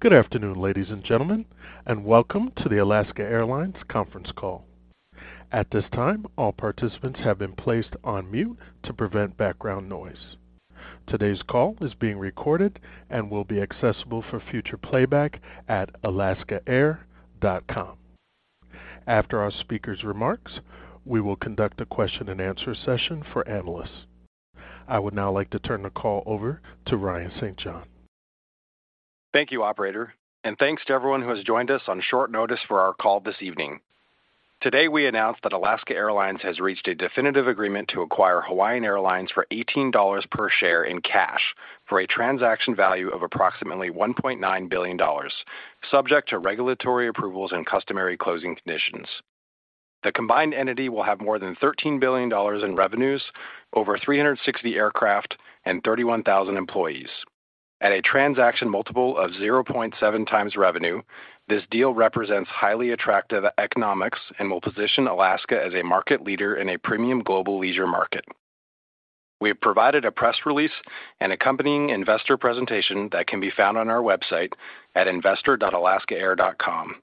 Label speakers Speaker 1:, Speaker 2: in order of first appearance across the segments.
Speaker 1: Good afternoon, ladies and gentlemen, and welcome to the Alaska Airlines conference call. At this time, all participants have been placed on mute to prevent background noise. Today's call is being recorded and will be accessible for future playback at alaskaair.com. After our speakers' remarks, we will conduct a question and answer session for analysts. I would now like to turn the call over to Ryan St. John.
Speaker 2: Thank you, operator, and thanks to everyone who has joined us on short notice for our call this evening. Today, we announced that Alaska Airlines has reached a definitive agreement to acquire Hawaiian Airlines for $18 per share in cash for a transaction value of approximately $1.9 billion, subject to regulatory approvals and customary closing conditions. The combined entity will have more than $13 billion in revenues, over 360 aircraft, and 31,000 employees. At a transaction multiple of 0.7x revenue, this deal represents highly attractive economics and will position Alaska as a market leader in a premium global leisure market. We have provided a press release and accompanying investor presentation that can be found on our website at investor.alaskaair.com.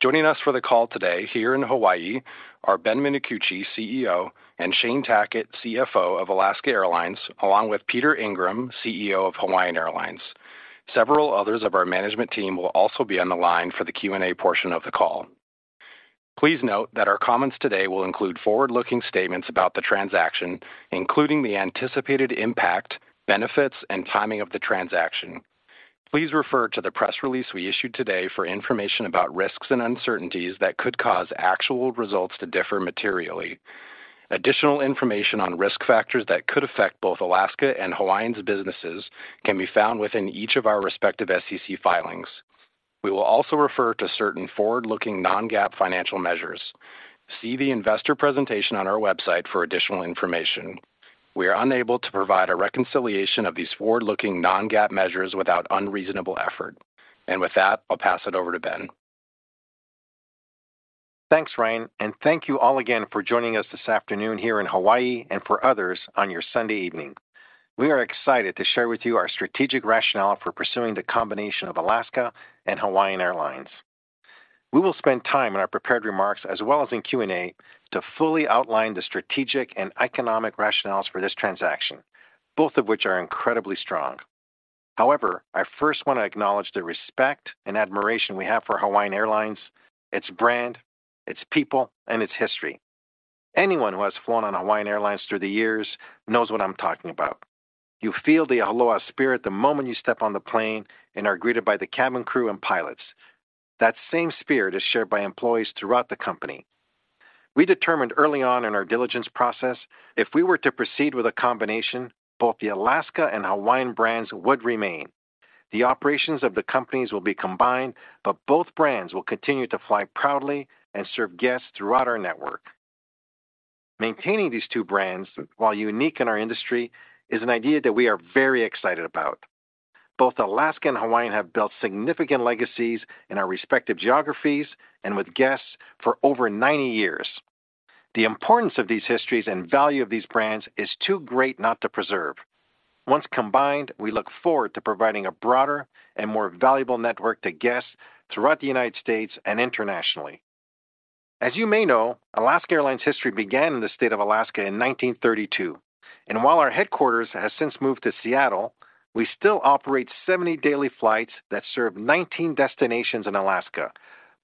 Speaker 2: Joining us for the call today here in Hawaii are Ben Minicucci, CEO, and Shane Tackett, CFO of Alaska Airlines, along with Peter Ingram, CEO of Hawaiian Airlines. Several others of our management team will also be on the line for the Q&A portion of the call. Please note that our comments today will include forward-looking statements about the transaction, including the anticipated impact, benefits, and timing of the transaction. Please refer to the press release we issued today for information about risks and uncertainties that could cause actual results to differ materially. Additional information on risk factors that could affect both Alaska and Hawaiian's businesses can be found within each of our respective SEC filings. We will also refer to certain forward-looking non-GAAP financial measures. See the investor presentation on our website for additional information. We are unable to provide a reconciliation of these forward-looking non-GAAP measures without unreasonable effort. With that, I'll pass it over to Ben.
Speaker 3: Thanks, Ryan, and thank you all again for joining us this afternoon here in Hawaii and for others on your Sunday evening. We are excited to share with you our strategic rationale for pursuing the combination of Alaska and Hawaiian Airlines. We will spend time in our prepared remarks as well as in Q&A to fully outline the strategic and economic rationales for this transaction, both of which are incredibly strong. However, I first want to acknowledge the respect and admiration we have for Hawaiian Airlines, its brand, its people, and its history. Anyone who has flown on Hawaiian Airlines through the years knows what I'm talking about. You feel the aloha spirit the moment you step on the plane and are greeted by the cabin crew and pilots. That same spirit is shared by employees throughout the company. We determined early on in our diligence process, if we were to proceed with a combination, both the Alaska and Hawaiian brands would remain. The operations of the companies will be combined, but both brands will continue to fly proudly and serve guests throughout our network. Maintaining these two brands, while unique in our industry, is an idea that we are very excited about. Both Alaska and Hawaiian have built significant legacies in our respective geographies and with guests for over 90 years. The importance of these histories and value of these brands is too great not to preserve. Once combined, we look forward to providing a broader and more valuable network to guests throughout the United States and internationally. As you may know, Alaska Airlines' history began in the state of Alaska in 1932, and while our headquarters has since moved to Seattle, we still operate 70 daily flights that serve 19 destinations in Alaska,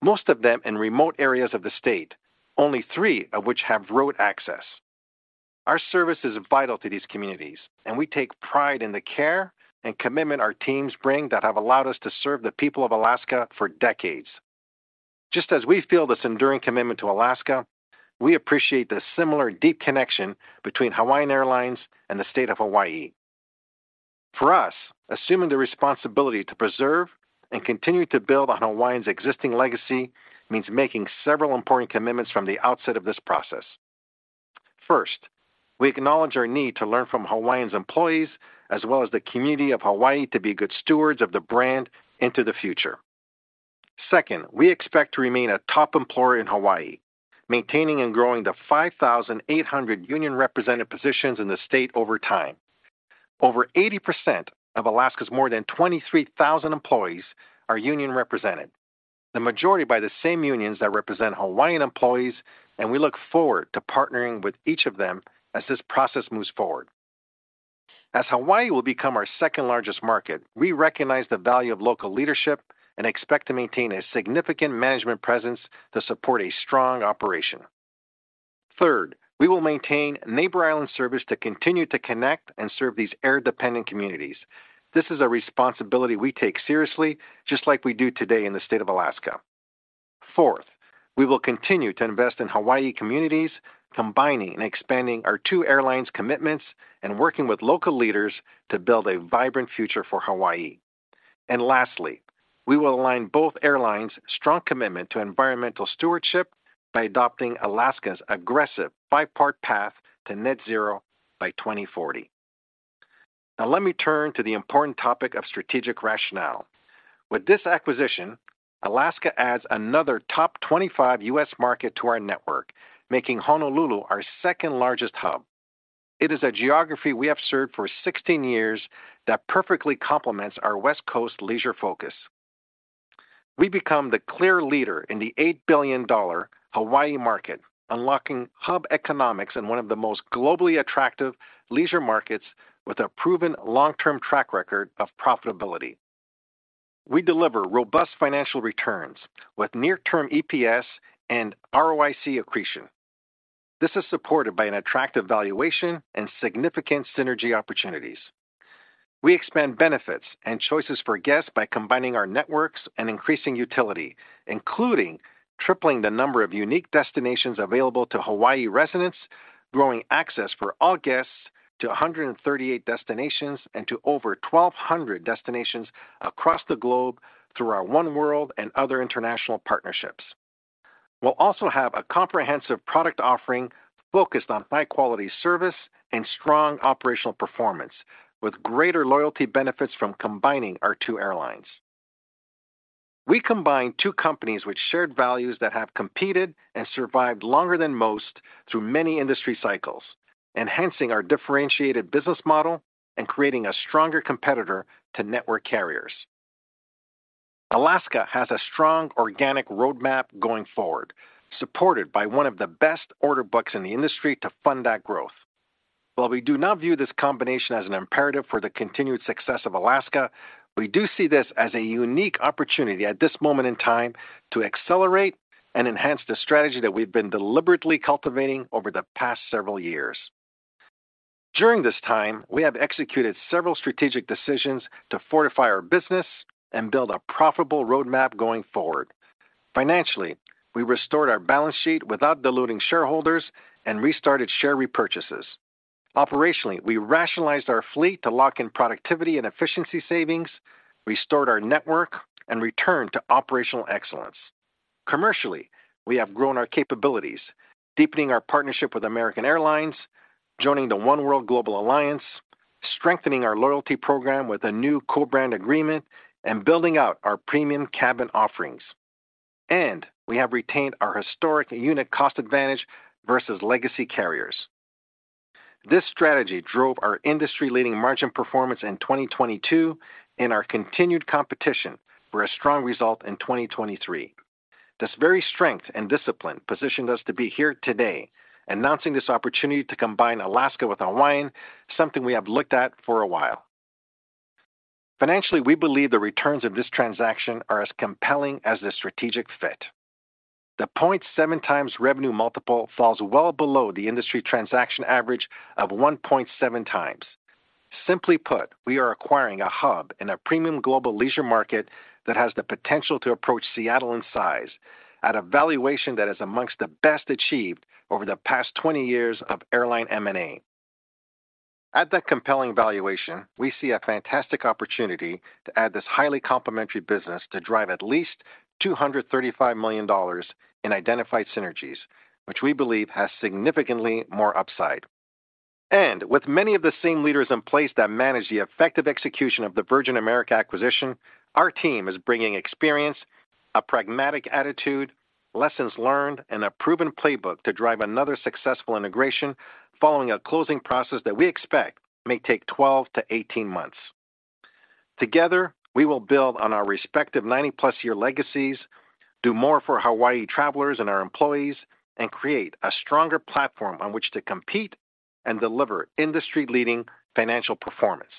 Speaker 3: most of them in remote areas of the state, only 3 of which have road access. Our service is vital to these communities, and we take pride in the care and commitment our teams bring that have allowed us to serve the people of Alaska for decades. Just as we feel this enduring commitment to Alaska, we appreciate the similar deep connection between Hawaiian Airlines and the state of Hawaii. For us, assuming the responsibility to preserve and continue to build on Hawaiian's existing legacy means making several important commitments from the outset of this process. First, we acknowledge our need to learn from Hawaiian's employees as well as the community of Hawaii to be good stewards of the brand into the future. Second, we expect to remain a top employer in Hawaii, maintaining and growing the 5,800 union-represented positions in the state over time. Over 80% of Alaska's more than 23,000 employees are union-represented, the majority by the same unions that represent Hawaiian employees, and we look forward to partnering with each of them as this process moves forward. As Hawaii will become our second-largest market, we recognize the value of local leadership and expect to maintain a significant management presence to support a strong operation. Third, we will maintain Neighbor Island service to continue to connect and serve these air-dependent communities. This is a responsibility we take seriously, just like we do today in the state of Alaska. Fourth, we will continue to invest in Hawaii communities, combining and expanding our two airlines' commitments and working with local leaders to build a vibrant future for Hawaii. Lastly, we will align both airlines' strong commitment to environmental stewardship by adopting Alaska's aggressive five-part path to net zero by 2040. Now let me turn to the important topic of strategic rationale. With this acquisition, Alaska adds another top 25 U.S. market to our network, making Honolulu our second-largest hub. It is a geography we have served for 16 years that perfectly complements our West Coast leisure focus. We become the clear leader in the $8 billion Hawaii market, unlocking hub economics in one of the most globally attractive leisure markets with a proven long-term track record of profitability. We deliver robust financial returns with near-term EPS and ROIC accretion. This is supported by an attractive valuation and significant synergy opportunities. We expand benefits and choices for guests by combining our networks and increasing utility, including tripling the number of unique destinations available to Hawaii residents, growing access for all guests to 138 destinations and to over 1,200 destinations across the globe through our oneworld and other International partnerships. We'll also have a comprehensive product offering focused on high-quality service and strong operational performance, with greater loyalty benefits from combining our two airlines. We combine two companies with shared values that have competed and survived longer than most through many industry cycles, enhancing our differentiated business model and creating a stronger competitor to network carriers. Alaska has a strong organic roadmap going forward, supported by one of the best order books in the industry to fund that growth. While we do not view this combination as an imperative for the continued success of Alaska, we do see this as a unique opportunity at this moment in time to accelerate and enhance the strategy that we've been deliberately cultivating over the past several years. During this time, we have executed several strategic decisions to fortify our business and build a profitable roadmap going forward. Financially, we restored our balance sheet without diluting shareholders and restarted share repurchases. Operationally, we rationalized our fleet to lock in productivity and efficiency savings, restored our network, and returned to operational excellence. Commercially, we have grown our capabilities, deepening our partnership with American Airlines, joining the oneworld global alliance, strengthening our loyalty program with a new co-brand agreement, and building out our premium cabin offerings, and we have retained our historic unit cost advantage versus legacy carriers. This strategy drove our industry-leading margin performance in 2022 and our continued competition for a strong result in 2023. This very strength and discipline positioned us to be here today, announcing this opportunity to combine Alaska with Hawaiian, something we have looked at for a while. Financially, we believe the returns of this transaction are as compelling as the strategic fit. The 0.7x revenue multiple falls well below the industry transaction average of 1.7x. Simply put, we are acquiring a hub in a premium global leisure market that has the potential to approach Seattle in size at a valuation that is amongst the best achieved over the past 20 years of airline M&A. At that compelling valuation, we see a fantastic opportunity to add this highly complementary business to drive at least $235 million in identified synergies, which we believe has significantly more upside. With many of the same leaders in place that managed the effective execution of the Virgin America acquisition, our team is bringing experience, a pragmatic attitude, lessons learned, and a proven playbook to drive another successful integration following a closing process that we expect may take 12-18 months. Together, we will build on our respective 90+ year legacies, do more for Hawaii travelers and our employees, and create a stronger platform on which to compete and deliver industry-leading financial performance.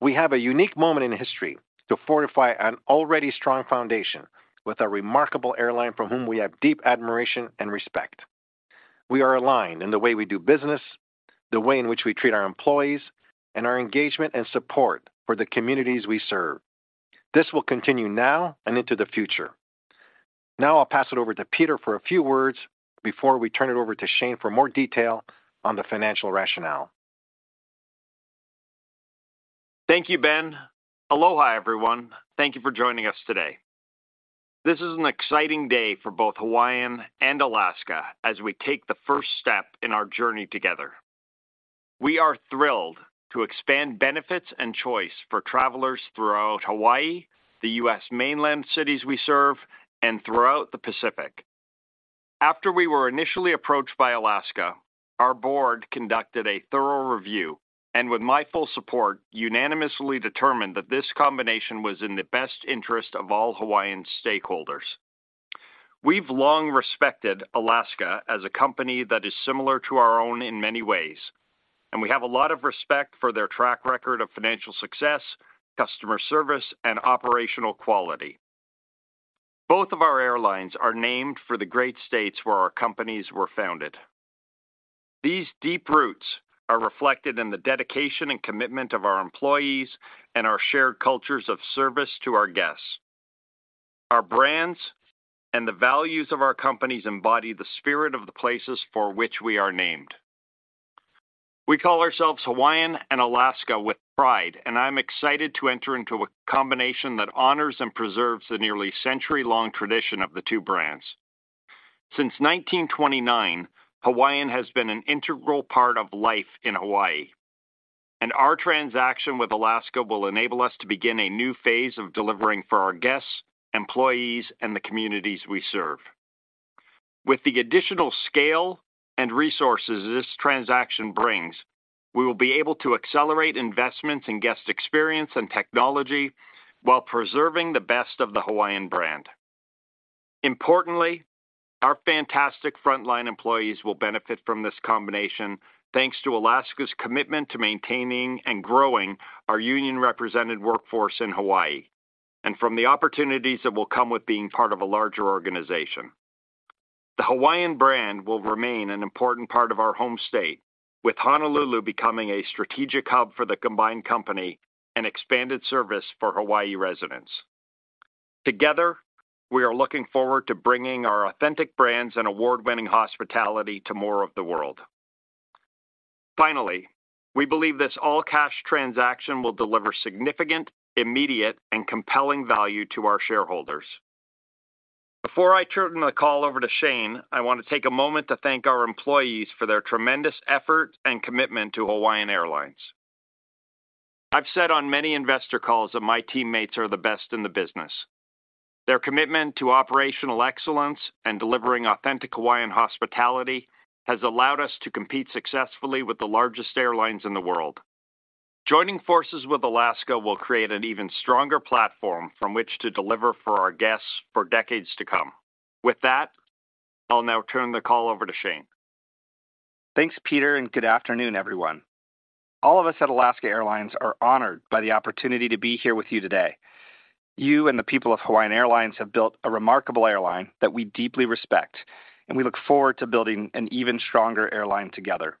Speaker 3: We have a unique moment in history to fortify an already strong foundation with a remarkable airline for whom we have deep admiration and respect. We are aligned in the way we do business, the way in which we treat our employees, and our engagement and support for the communities we serve. This will continue now and into the future. Now I'll pass it over to Peter for a few words before we turn it over to Shane for more detail on the financial rationale.
Speaker 4: Thank you, Ben. Aloha, everyone. Thank you for joining us today. This is an exciting day for both Hawaiian and Alaska as we take the first step in our journey together. We are thrilled to expand benefits and choice for travelers throughout Hawaii, the U.S. mainland cities we serve, and throughout the Pacific. After we were initially approached by Alaska, our board conducted a thorough review and, with my full support, unanimously determined that this combination was in the best interest of all Hawaiian stakeholders. We've long respected Alaska as a company that is similar to our own in many ways, and we have a lot of respect for their track record of financial success, customer service, and operational quality. Both of our airlines are named for the great states where our companies were founded. These deep roots are reflected in the dedication and commitment of our employees and our shared cultures of service to our guests. Our brands and the values of our companies embody the spirit of the places for which we are named. We call ourselves Hawaiian and Alaska with pride, and I'm excited to enter into a combination that honors and preserves the nearly century-long tradition of the two brands. Since 1929, Hawaiian has been an integral part of life in Hawaii...and our transaction with Alaska will enable us to begin a new phase of delivering for our guests, employees, and the communities we serve. With the additional scale and resources this transaction brings, we will be able to accelerate investments in guest experience and technology while preserving the best of the Hawaiian brand. Importantly, our fantastic frontline employees will benefit from this combination, thanks to Alaska's commitment to maintaining and growing our union-represented workforce in Hawaii, and from the opportunities that will come with being part of a larger organization. The Hawaiian brand will remain an important part of our home state, with Honolulu becoming a strategic hub for the combined company and expanded service for Hawaii residents. Together, we are looking forward to bringing our authentic brands and award-winning hospitality to more of the world. Finally, we believe this all-cash transaction will deliver significant, immediate, and compelling value to our shareholders. Before I turn the call over to Shane, I want to take a moment to thank our employees for their tremendous effort and commitment to Hawaiian Airlines. I've said on many investor calls that my teammates are the best in the business. Their commitment to operational excellence and delivering authentic Hawaiian hospitality has allowed us to compete successfully with the largest airlines in the world. Joining forces with Alaska will create an even stronger platform from which to deliver for our guests for decades to come. With that, I'll now turn the call over to Shane.
Speaker 5: Thanks, Peter, and good afternoon, everyone. All of us at Alaska Airlines are honored by the opportunity to be here with you today. You and the people of Hawaiian Airlines have built a remarkable airline that we deeply respect, and we look forward to building an even stronger airline together.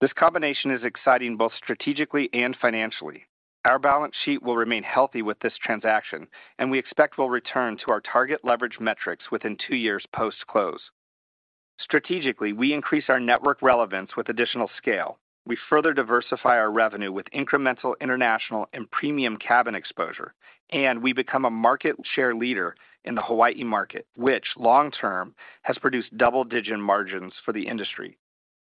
Speaker 5: This combination is exciting, both strategically and financially. Our balance sheet will remain healthy with this transaction, and we expect we'll return to our target leverage metrics within two years post-close. Strategically, we increase our network relevance with additional scale. We further diversify our revenue with incremental international and premium cabin exposure, and we become a market share leader in the Hawaii market, which long-term has produced double-digit margins for the industry.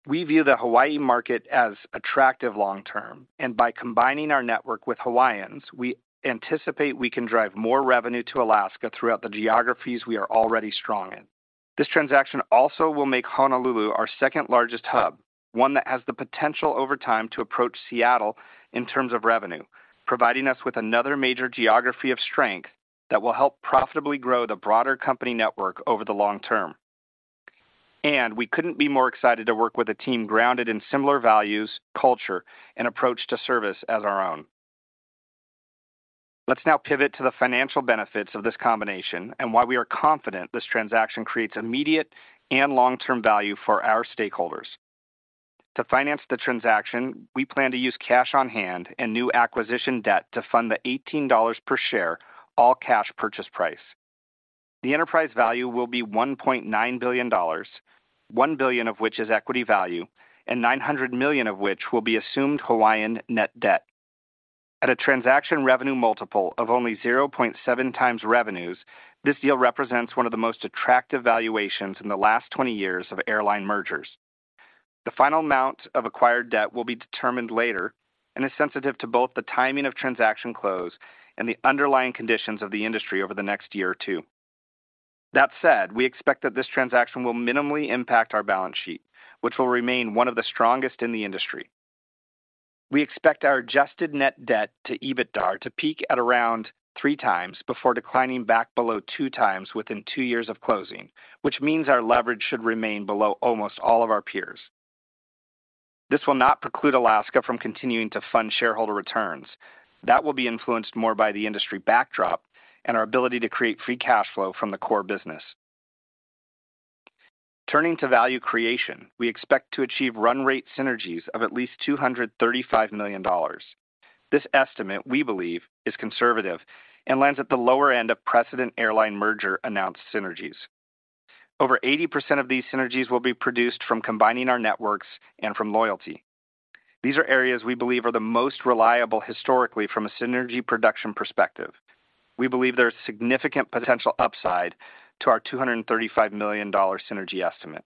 Speaker 5: We view the Hawaii market as attractive long term, and by combining our network with Hawaiians, we anticipate we can drive more revenue to Alaska throughout the geographies we are already strong in. This transaction also will make Honolulu our second-largest hub, one that has the potential over time to approach Seattle in terms of revenue, providing us with another major geography of strength that will help profitably grow the broader company network over the long term. And we couldn't be more excited to work with a team grounded in similar values, culture, and approach to service as our own. Let's now pivot to the financial benefits of this combination and why we are confident this transaction creates immediate and long-term value for our stakeholders. To finance the transaction, we plan to use cash on hand and new acquisition debt to fund the $18 per share, all-cash purchase price. The enterprise value will be $1.9 billion, $1 billion of which is equity value and $900 million of which will be assumed Hawaiian net debt. At a transaction revenue multiple of only 0.7x revenues, this deal represents one of the most attractive valuations in the last 20 years of airline mergers. The final amount of acquired debt will be determined later and is sensitive to both the timing of transaction close and the underlying conditions of the industry over the next year or two. That said, we expect that this transaction will minimally impact our balance sheet, which will remain one of the strongest in the industry. We expect our adjusted net debt to EBITDA to peak at around 3 times before declining back below 2 times within 2 years of closing, which means our leverage should remain below almost all of our peers. This will not preclude Alaska from continuing to fund shareholder returns. That will be influenced more by the industry backdrop and our ability to create free cash flow from the core business. Turning to value creation, we expect to achieve run rate synergies of at least $235 million. This estimate, we believe, is conservative and lands at the lower end of precedent airline merger announced synergies. Over 80% of these synergies will be produced from combining our networks and from loyalty. These are areas we believe are the most reliable historically from a synergy production perspective. We believe there is significant potential upside to our $235 million synergy estimate.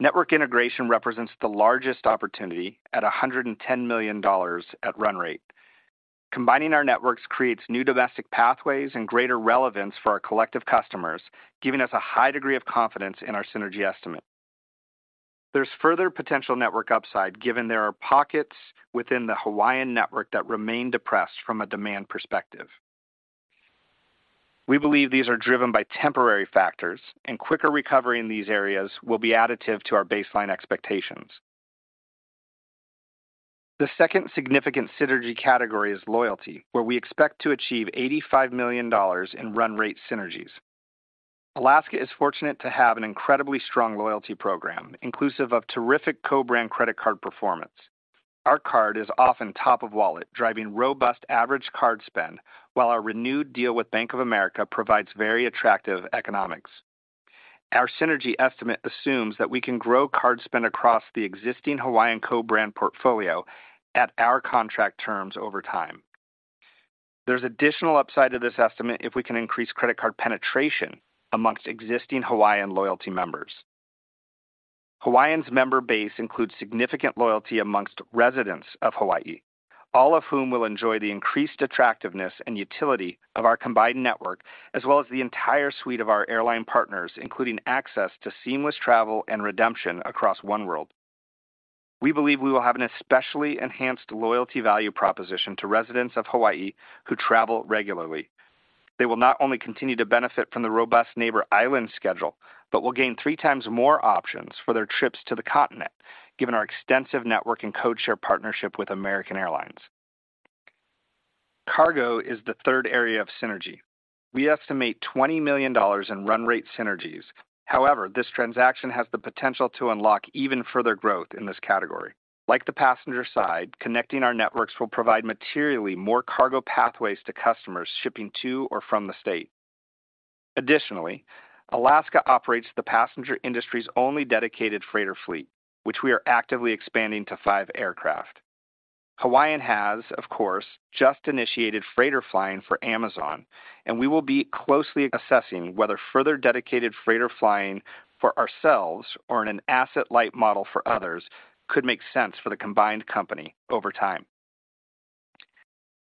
Speaker 5: Network integration represents the largest opportunity at $110 million at run rate. Combining our networks creates new domestic pathways and greater relevance for our collective customers, giving us a high degree of confidence in our synergy estimate. There's further potential network upside, given there are pockets within the Hawaiian network that remain depressed from a demand perspective. We believe these are driven by temporary factors, and quicker recovery in these areas will be additive to our baseline expectations. The second significant synergy category is loyalty, where we expect to achieve $85 million in run rate synergies. Alaska is fortunate to have an incredibly strong loyalty program, inclusive of terrific co-brand credit card performance. Our card is often top of wallet, driving robust average card spend, while our renewed deal with Bank of America provides very attractive economics. Our synergy estimate assumes that we can grow card spend across the existing Hawaiian co-brand portfolio at our contract terms over time.... There's additional upside to this estimate if we can increase credit card penetration amongst existing Hawaiian loyalty members. Hawaiian's member base includes significant loyalty amongst residents of Hawaii, all of whom will enjoy the increased attractiveness and utility of our combined network, as well as the entire suite of our airline partners, including access to seamless travel and redemption across oneworld. We believe we will have an especially enhanced loyalty value proposition to residents of Hawaii who travel regularly. They will not only continue to benefit from the robust Neighbor Island schedule, but will gain three times more options for their trips to the continent, given our extensive network and codeshare partnership with American Airlines. Cargo is the third area of synergy. We estimate $20 million in run rate synergies. However, this transaction has the potential to unlock even further growth in this category. Like the passenger side, connecting our networks will provide materially more cargo pathways to customers shipping to or from the state. Additionally, Alaska operates the passenger industry's only dedicated freighter fleet, which we are actively expanding to five aircraft. Hawaiian has, of course, just initiated freighter flying for Amazon, and we will be closely assessing whether further dedicated freighter flying for ourselves or in an asset-light model for others could make sense for the combined company over time.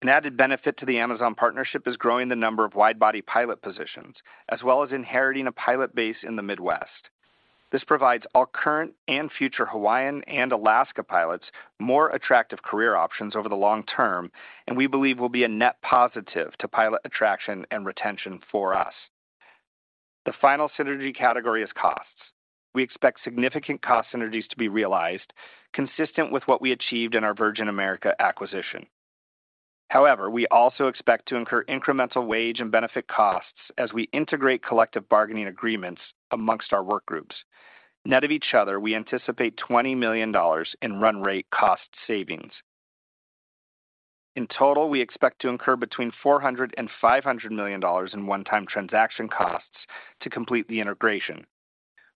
Speaker 5: An added benefit to the Amazon partnership is growing the number of wide-body pilot positions, as well as inheriting a pilot base in the Midwest. This provides all current and future Hawaiian and Alaska pilots more attractive career options over the long term, and we believe will be a net positive to pilot attraction and retention for us. The final synergy category is costs. We expect significant cost synergies to be realized, consistent with what we achieved in our Virgin America acquisition. However, we also expect to incur incremental wage and benefit costs as we integrate collective bargaining agreements among our work groups. Net of each other, we anticipate $20 million in run rate cost savings. In total, we expect to incur between $400 million and $500 million in one-time transaction costs to complete the integration.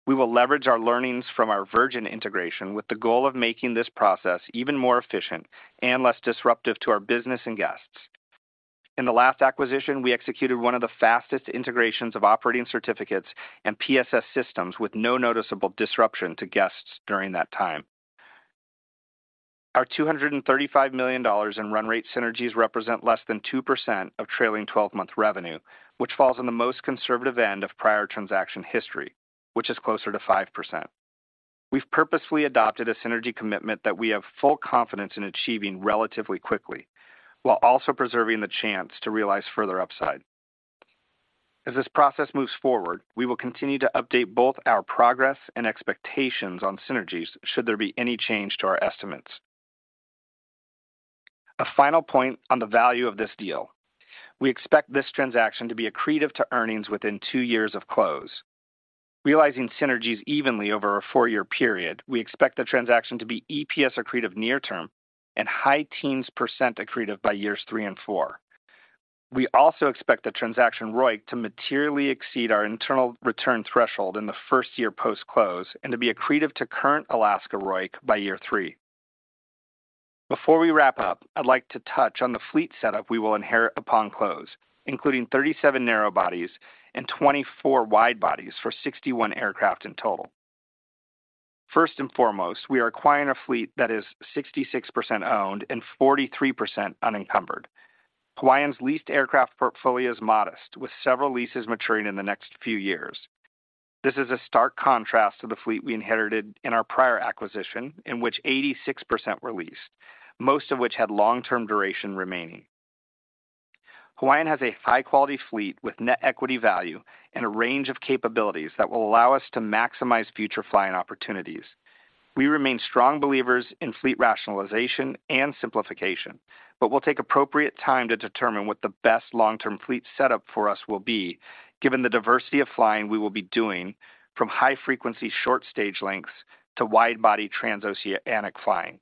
Speaker 5: We will leverage our learnings from our Virgin integration with the goal of making this process even more efficient and less disruptive to our business and guests. In the last acquisition, we executed one of the fastest integrations of operating certificates and PSS systems with no noticeable disruption to guests during that time. Our $235 million in run rate synergies represent less than 2% of trailing twelve-month revenue, which falls on the most conservative end of prior transaction history, which is closer to 5%. We've purposely adopted a synergy commitment that we have full confidence in achieving relatively quickly, while also preserving the chance to realize further upside. As this process moves forward, we will continue to update both our progress and expectations on synergies should there be any change to our estimates. A final point on the value of this deal. We expect this transaction to be accretive to earnings within 2 years of close. Realizing synergies evenly over a 4-year period, we expect the transaction to be EPS accretive near term and high teens % accretive by years 3 and 4. We also expect the transaction ROIC to materially exceed our internal return threshold in the first year post-close and to be accretive to current Alaska ROIC by year 3. Before we wrap up, I'd like to touch on the fleet setup we will inherit upon close, including 37 narrow bodies and 24 wide bodies for 61 aircraft in total. First and foremost, we are acquiring a fleet that is 66% owned and 43% unencumbered. Hawaiian's leased aircraft portfolio is modest, with several leases maturing in the next few years. This is a stark contrast to the fleet we inherited in our prior acquisition, in which 86% were leased, most of which had long-term duration remaining. Hawaiian has a high-quality fleet with net equity value and a range of capabilities that will allow us to maximize future flying opportunities. We remain strong believers in fleet rationalization and simplification, but we'll take appropriate time to determine what the best long-term fleet setup for us will be, given the diversity of flying we will be doing from high frequency, short stage lengths to wide-body, transoceanic flying.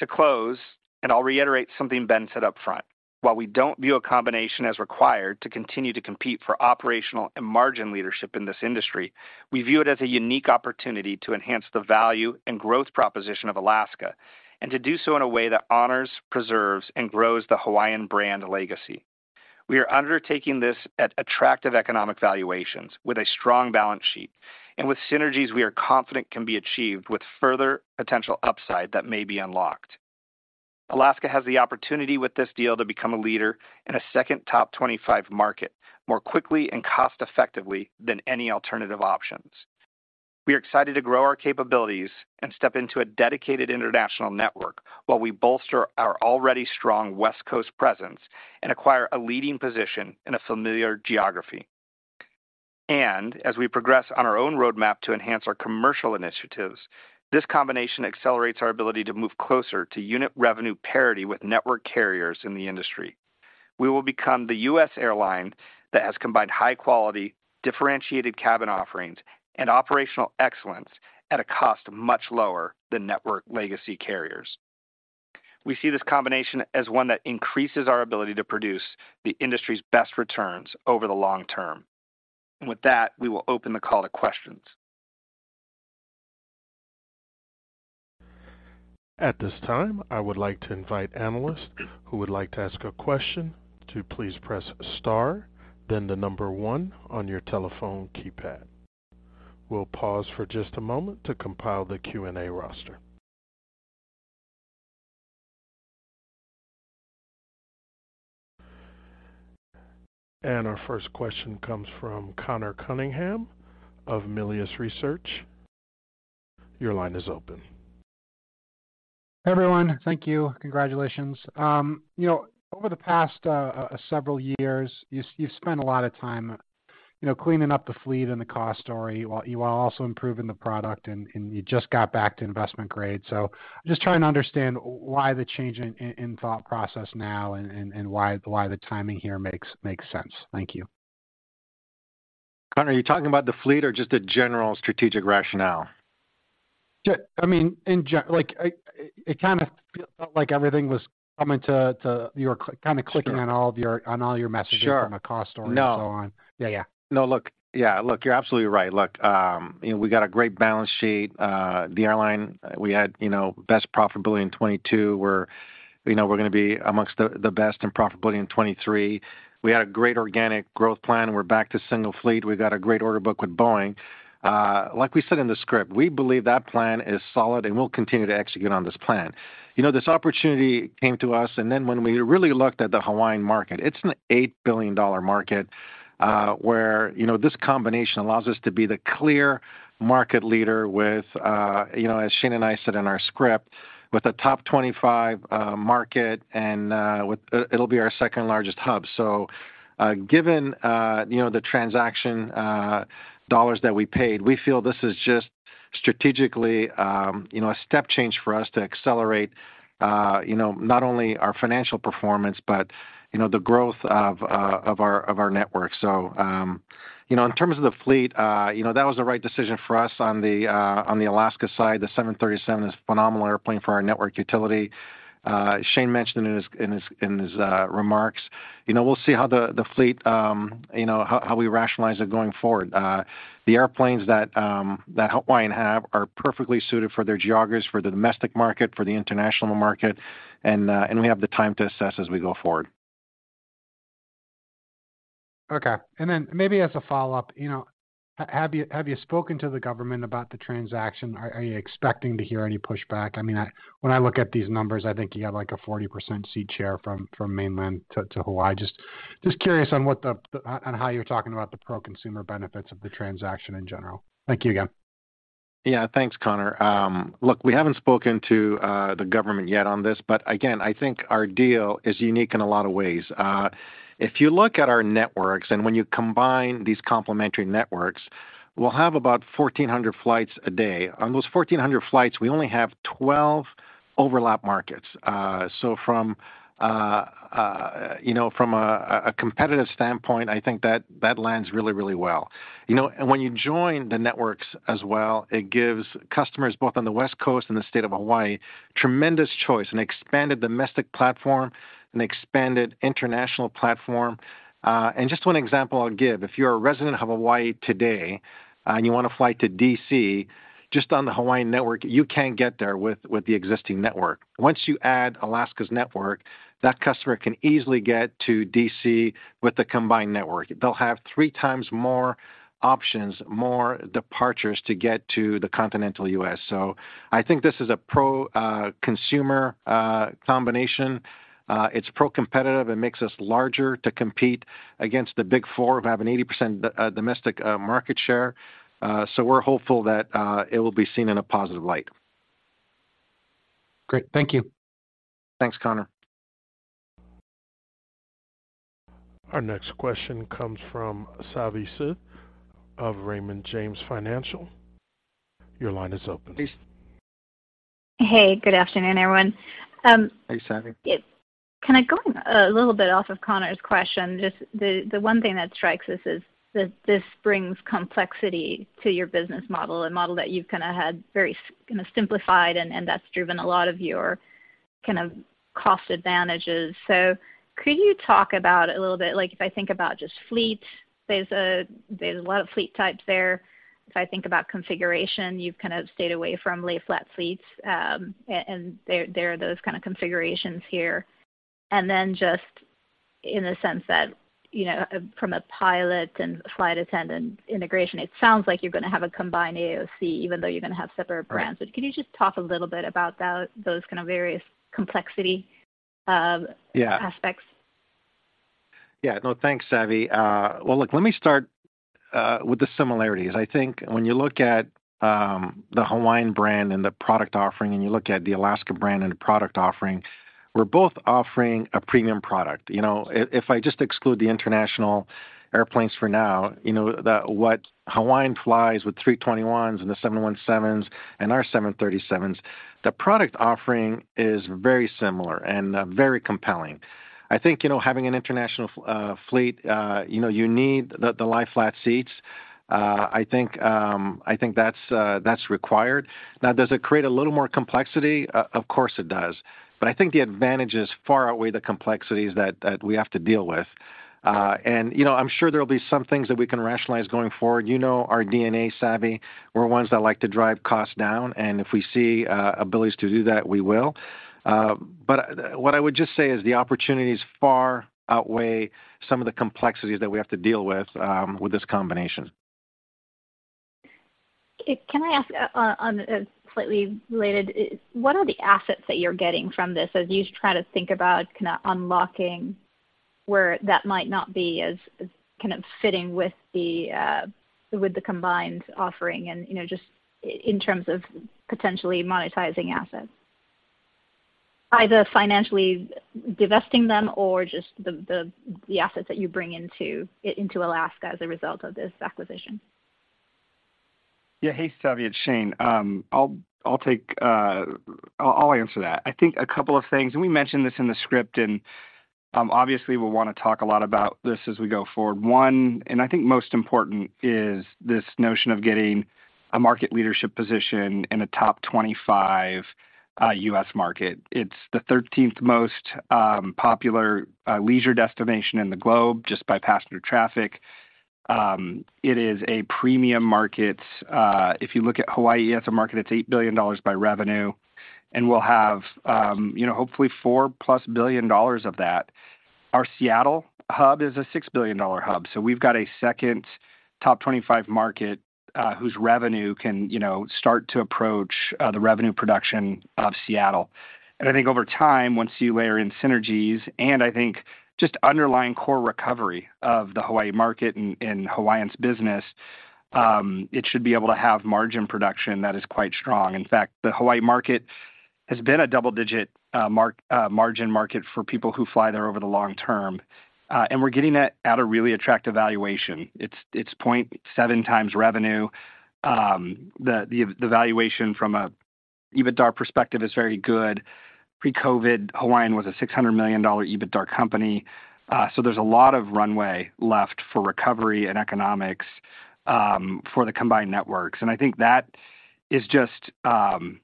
Speaker 5: To close, and I'll reiterate something Ben said up front, while we don't view a combination as required to continue to compete for operational and margin leadership in this industry, we view it as a unique opportunity to enhance the value and growth proposition of Alaska and to do so in a way that honors, preserves, and grows the Hawaiian brand legacy. We are undertaking this at attractive economic valuations with a strong balance sheet and with synergies we are confident can be achieved with further potential upside that may be unlocked. Alaska has the opportunity with this deal to become a leader in a second top 25 market more quickly and cost-effectively than any alternative options. We are excited to grow our capabilities and step into a dedicated international network while we bolster our already strong West Coast presence and acquire a leading position in a familiar geography. As we progress on our own roadmap to enhance our commercial initiatives, this combination accelerates our ability to move closer to unit revenue parity with network carriers in the industry. We will become the U.S. airline that has combined high quality, differentiated cabin offerings, and operational excellence at a cost much lower than network legacy carriers. We see this combination as one that increases our ability to produce the industry's best returns over the long term. With that, we will open the call to questions.
Speaker 1: At this time, I would like to invite analysts who would like to ask a question to please press Star, then the number one on your telephone keypad. We'll pause for just a moment to compile the Q&A roster. Our first question comes from Connor Cunningham of Melius Research. Your line is open.
Speaker 6: Everyone, thank you. Congratulations. You know, over the past several years, you've spent a lot of time, you know, cleaning up the fleet and the cost story, while you are also improving the product, and you just got back to investment grade. So just trying to understand why the change in thought process now and why the timing here makes sense. Thank you.
Speaker 3: Connor, are you talking about the fleet or just the general strategic rationale?
Speaker 6: Yeah, I mean, like, it kind of felt like everything was coming to—you were kind of clicking on all of your messaging-
Speaker 3: Sure.
Speaker 6: From a cost story and so on.
Speaker 3: No.
Speaker 6: Yeah, yeah.
Speaker 3: No, look. Yeah, look, you're absolutely right. Look, you know, we got a great balance sheet. The airline, we had, you know, best profitability in 2022, where, you know, we're going to be amongst the best in profitability in 2023. We had a great organic growth plan. We're back to single fleet. We've got a great order book with Boeing. Like we said in the script, we believe that plan is solid, and we'll continue to execute on this plan. You know, this opportunity came to us, and then when we really looked at the Hawaiian market, it's an $8 billion market, where, you know, this combination allows us to be the clear market leader with, you know, as Shane and I said in our script, with a top 25 market and with... It'll be our second-largest hub. So, given, you know, the transaction dollars that we paid, we feel this is just strategically, you know, a step change for us to accelerate, you know, not only our financial performance, but, you know, the growth of our network. So, you know, in terms of the fleet, you know, that was the right decision for us on the Alaska side. The 737 is a phenomenal airplane for our network utility. Shane mentioned in his remarks. You know, we'll see how the fleet, you know, how we rationalize it going forward. The airplanes that Hawaiian have are perfectly suited for their geographies, for the domestic market, for the international market, and we have the time to assess as we go forward.
Speaker 6: Okay. Then maybe as a follow-up, you know, have you spoken to the government about the transaction? Are you expecting to hear any pushback? I mean, when I look at these numbers, I think you have, like, a 40% seat share from mainland to Hawaii. Just curious on what the, on how you're talking about the pro-consumer benefits of the transaction in general. Thank you again.
Speaker 3: Yeah, thanks, Connor. Look, we haven't spoken to the government yet on this, but again, I think our deal is unique in a lot of ways. If you look at our networks, and when you combine these complementary networks, we'll have about 1,400 flights a day. On those 1,400 flights, we only have 12 overlap markets. So from, you know, from a competitive standpoint, I think that lands really, really well. You know, and when you join the networks as well, it gives customers both on the West Coast and the state of Hawaii tremendous choice, an expanded domestic platform, an expanded international platform. And just one example I'll give, if you're a resident of Hawaii today and you want to fly to D.C., just on the Hawaiian network, you can't get there with the existing network. Once you add Alaska's network, that customer can easily get to D.C. with the combined network. They'll have three times more options, more departures to get to the continental U.S. So I think this is a pro-consumer combination. It's pro-competitive. It makes us larger to compete against the Big Four, who have an 80% domestic market share. So we're hopeful that it will be seen in a positive light.
Speaker 6: Great. Thank you.
Speaker 3: Thanks, Connor.
Speaker 1: Our next question comes from Savi Syth of Raymond James Financial. Your line is open.
Speaker 3: Please.
Speaker 7: Hey, good afternoon, everyone.
Speaker 3: Hey, Savi.
Speaker 7: Kind of going a little bit off of Connor's question, just the one thing that strikes us is that this brings complexity to your business model, a model that you've kind of had very kind of simplified, and that's driven a lot of your kind of cost advantages. So could you talk about a little bit, like if I think about just fleet, there's a lot of fleet types there. If I think about configuration, you've kind of stayed away from lie-flat fleets, and there are those kind of configurations here. And then just in the sense that, you know, from a pilot and flight attendant integration, it sounds like you're going to have a combined AOC, even though you're going to have separate brands. But can you just talk a little bit about that, those kind of various complexity.
Speaker 3: Yeah.
Speaker 7: aspects?
Speaker 3: Yeah. No, thanks, Savi. Well, look, let me start with the similarities. I think when you look at the Hawaiian brand and the product offering, and you look at the Alaska brand and the product offering, we're both offering a premium product. You know, if, if I just exclude the international airplanes for now, you know that what Hawaiian flies with 321s and the 717s and our 737s, the product offering is very similar and very compelling. I think, you know, having an international fleet, you know, you need the lie-flat seats. I think I think that's that's required. Now, does it create a little more complexity? Of course, it does. But I think the advantages far outweigh the complexities that we have to deal with. and, you know, I'm sure there will be some things that we can rationalize going forward. You know our DNA, Savi. We're ones that like to drive costs down, and if we see abilities to do that, we will. But what I would just say is the opportunities far outweigh some of the complexities that we have to deal with, with this combination.
Speaker 7: Can I ask, on, slightly related: what are the assets that you're getting from this as you try to think about kinda unlocking where that might not be as kind of fitting with the combined offering and, you know, just in terms of potentially monetizing assets? Either financially divesting them or just the assets that you bring into Alaska as a result of this acquisition.
Speaker 5: Yeah. Hey, Savi, it's Shane. I'll, I'll take. I'll answer that. I think a couple of things, and we mentioned this in the script, and, obviously we'll want to talk a lot about this as we go forward. One, and I think most important, is this notion of getting a market leadership position in a top 25 U.S. market. It's the 13th most popular leisure destination in the globe, just by passenger traffic. It is a premium market. If you look at Hawaii as a market, it's $8 billion by revenue, and we'll have, you know, hopefully $4+ billion of that. Our Seattle hub is a $6 billion hub, so we've got a second top 25 market whose revenue can, you know, start to approach the revenue production of Seattle. I think over time, once you layer in synergies, and I think just underlying core recovery of the Hawaii market and Hawaiian's business, it should be able to have margin production that is quite strong. In fact, the Hawaii market has been a double-digit margin market for people who fly there over the long term. And we're getting that at a really attractive valuation. It's point seven times revenue. The valuation from an EBITDA perspective is very good. Pre-COVID, Hawaiian was a $600 million EBITDA company. So there's a lot of runway left for recovery and economics, for the combined networks. I think that is just an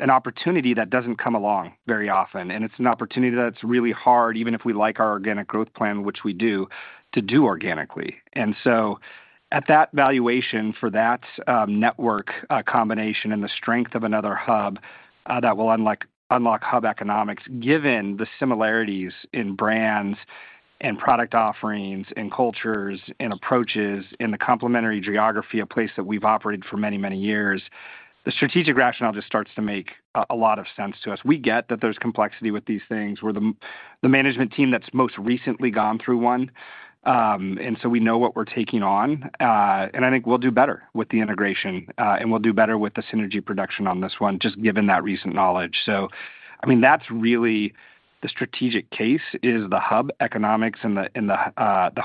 Speaker 5: opportunity that doesn't come along very often, and it's an opportunity that's really hard, even if we like our organic growth plan, which we do, to do organically. So at that valuation for that network combination and the strength of another hub that will unlock hub economics, given the similarities in brands and product offerings and cultures and approaches in the complementary geography, a place that we've operated for many, many years, the strategic rationale just starts to make a lot of sense to us. We get that there's complexity with these things. We're the management team that's most recently gone through one, and so we know what we're taking on. And I think we'll do better with the integration, and we'll do better with the synergy production on this one, just given that recent knowledge. So, I mean, that's really the strategic case, is the hub economics in the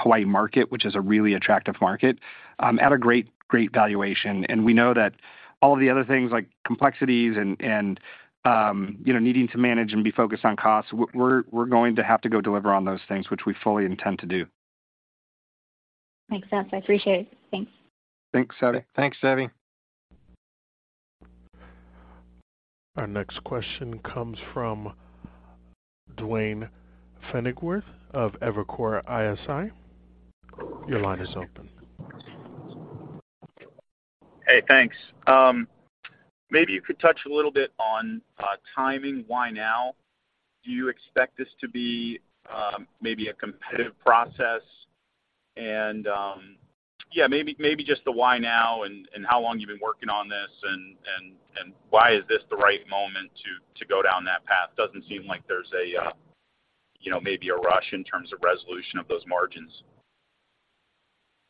Speaker 5: Hawaii market, which is a really attractive market, at a great, great valuation. And we know that all the other things like complexities and you know, needing to manage and be focused on costs, we're going to have to go deliver on those things, which we fully intend to do.
Speaker 7: Makes sense. I appreciate it. Thanks.
Speaker 5: Thanks, Savi.
Speaker 3: Thanks, Savi.
Speaker 1: Our next question comes from Duane Pfennigwerth of Evercore ISI. Your line is open.
Speaker 8: Hey, thanks. Maybe you could touch a little bit on, timing. Why now? Do you expect this to be, maybe a competitive process? And, yeah, maybe, maybe just the why now and, and, and why is this the right moment to, to go down that path? Doesn't seem like there's a, you know, maybe a rush in terms of resolution of those margins.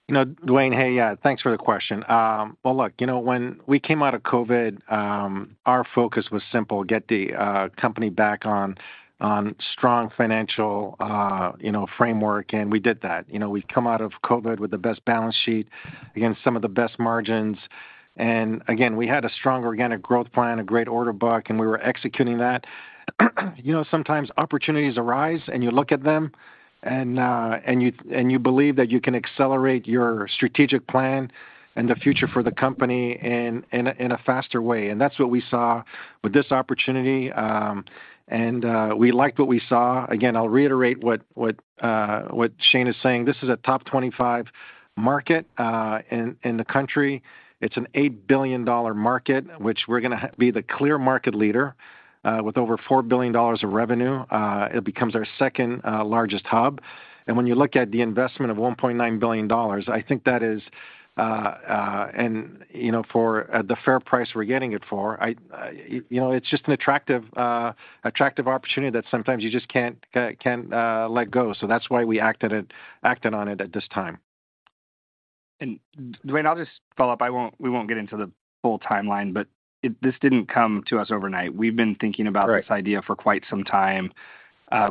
Speaker 3: You know, Duane, hey, yeah, thanks for the question. Well, look, you know, when we came out of COVID, our focus was simple: Get the company back on strong financial, you know, framework, and we did that. You know, we've come out of COVID with the best balance sheet, again, some of the best margins. Again, we had a strong organic growth plan, a great order book, and we were executing that. You know, sometimes opportunities arise, and you look at them, and you believe that you can accelerate your strategic plan and the future for the company in a faster way. And that's what we saw with this opportunity, and we liked what we saw. Again, I'll reiterate what Shane is saying. This is a top 25 market in the country. It's an $8 billion market, which we're gonna be the clear market leader with over $4 billion of revenue. It becomes our second largest hub. And when you look at the investment of $1.9 billion, I think that is... And, you know, for the fair price we're getting it for, I you know, it's just an attractive attractive opportunity that sometimes you just can't let go. So that's why we acted on it at this time.
Speaker 5: And Duane, I'll just follow up. We won't get into the full timeline, but this didn't come to us overnight. We've been thinking about-
Speaker 8: Right.
Speaker 5: This idea for quite some time.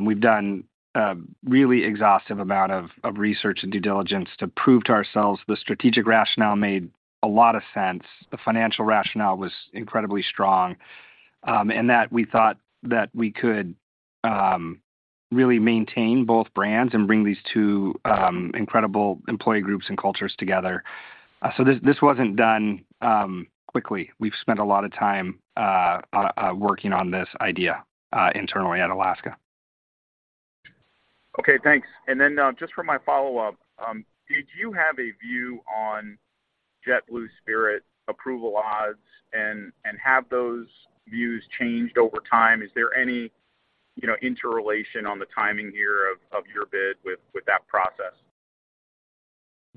Speaker 5: We've done a really exhaustive amount of research and due diligence to prove to ourselves the strategic rationale made a lot of sense, the financial rationale was incredibly strong, and that we thought that we could really maintain both brands and bring these two incredible employee groups and cultures together. So this wasn't done quickly. We've spent a lot of time working on this idea internally at Alaska.
Speaker 8: Okay, thanks. And then, just for my follow-up, did you have a view on JetBlue Spirit approval odds, and have those views changed over time? Is there any, you know, interrelation on the timing here of your bid with that process?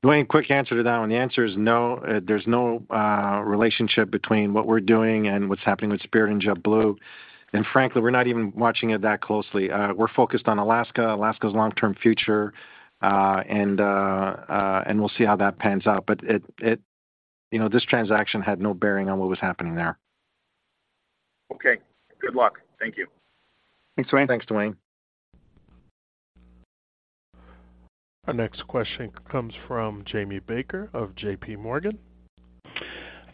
Speaker 3: Duane, quick answer to that one. The answer is no. There's no relationship between what we're doing and what's happening with Spirit and JetBlue. And frankly, we're not even watching it that closely. We're focused on Alaska, Alaska's long-term future, and we'll see how that pans out. But it-- you know, this transaction had no bearing on what was happening there.
Speaker 8: Okay, good luck. Thank you.
Speaker 5: Thanks, Duane.
Speaker 3: Thanks, Duane.
Speaker 1: Our next question comes from Jamie Baker of J.P. Morgan.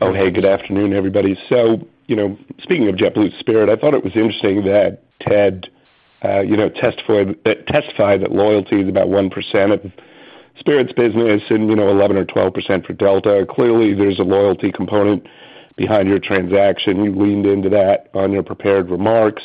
Speaker 9: Oh, hey, good afternoon, everybody. So, you know, speaking of JetBlue Spirit, I thought it was interesting that Ted, you know, testified that loyalty is about 1% of Spirit's business and, you know, 11 or 12% for Delta. Clearly, there's a loyalty component behind your transaction. You leaned into that on your prepared remarks.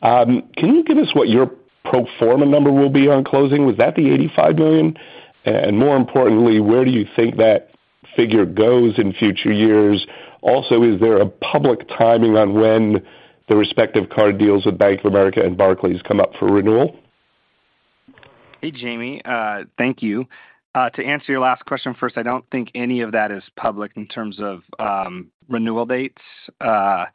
Speaker 9: Can you give us what your pro forma number will be on closing? Would that be $85 million? And more importantly, where do you think that figure goes in future years? Also, is there a public timing on when the respective card deals with Bank of America and Barclays come up for renewal?
Speaker 5: Hey, Jamie. Thank you. To answer your last question first, I don't think any of that is public in terms of renewal dates. The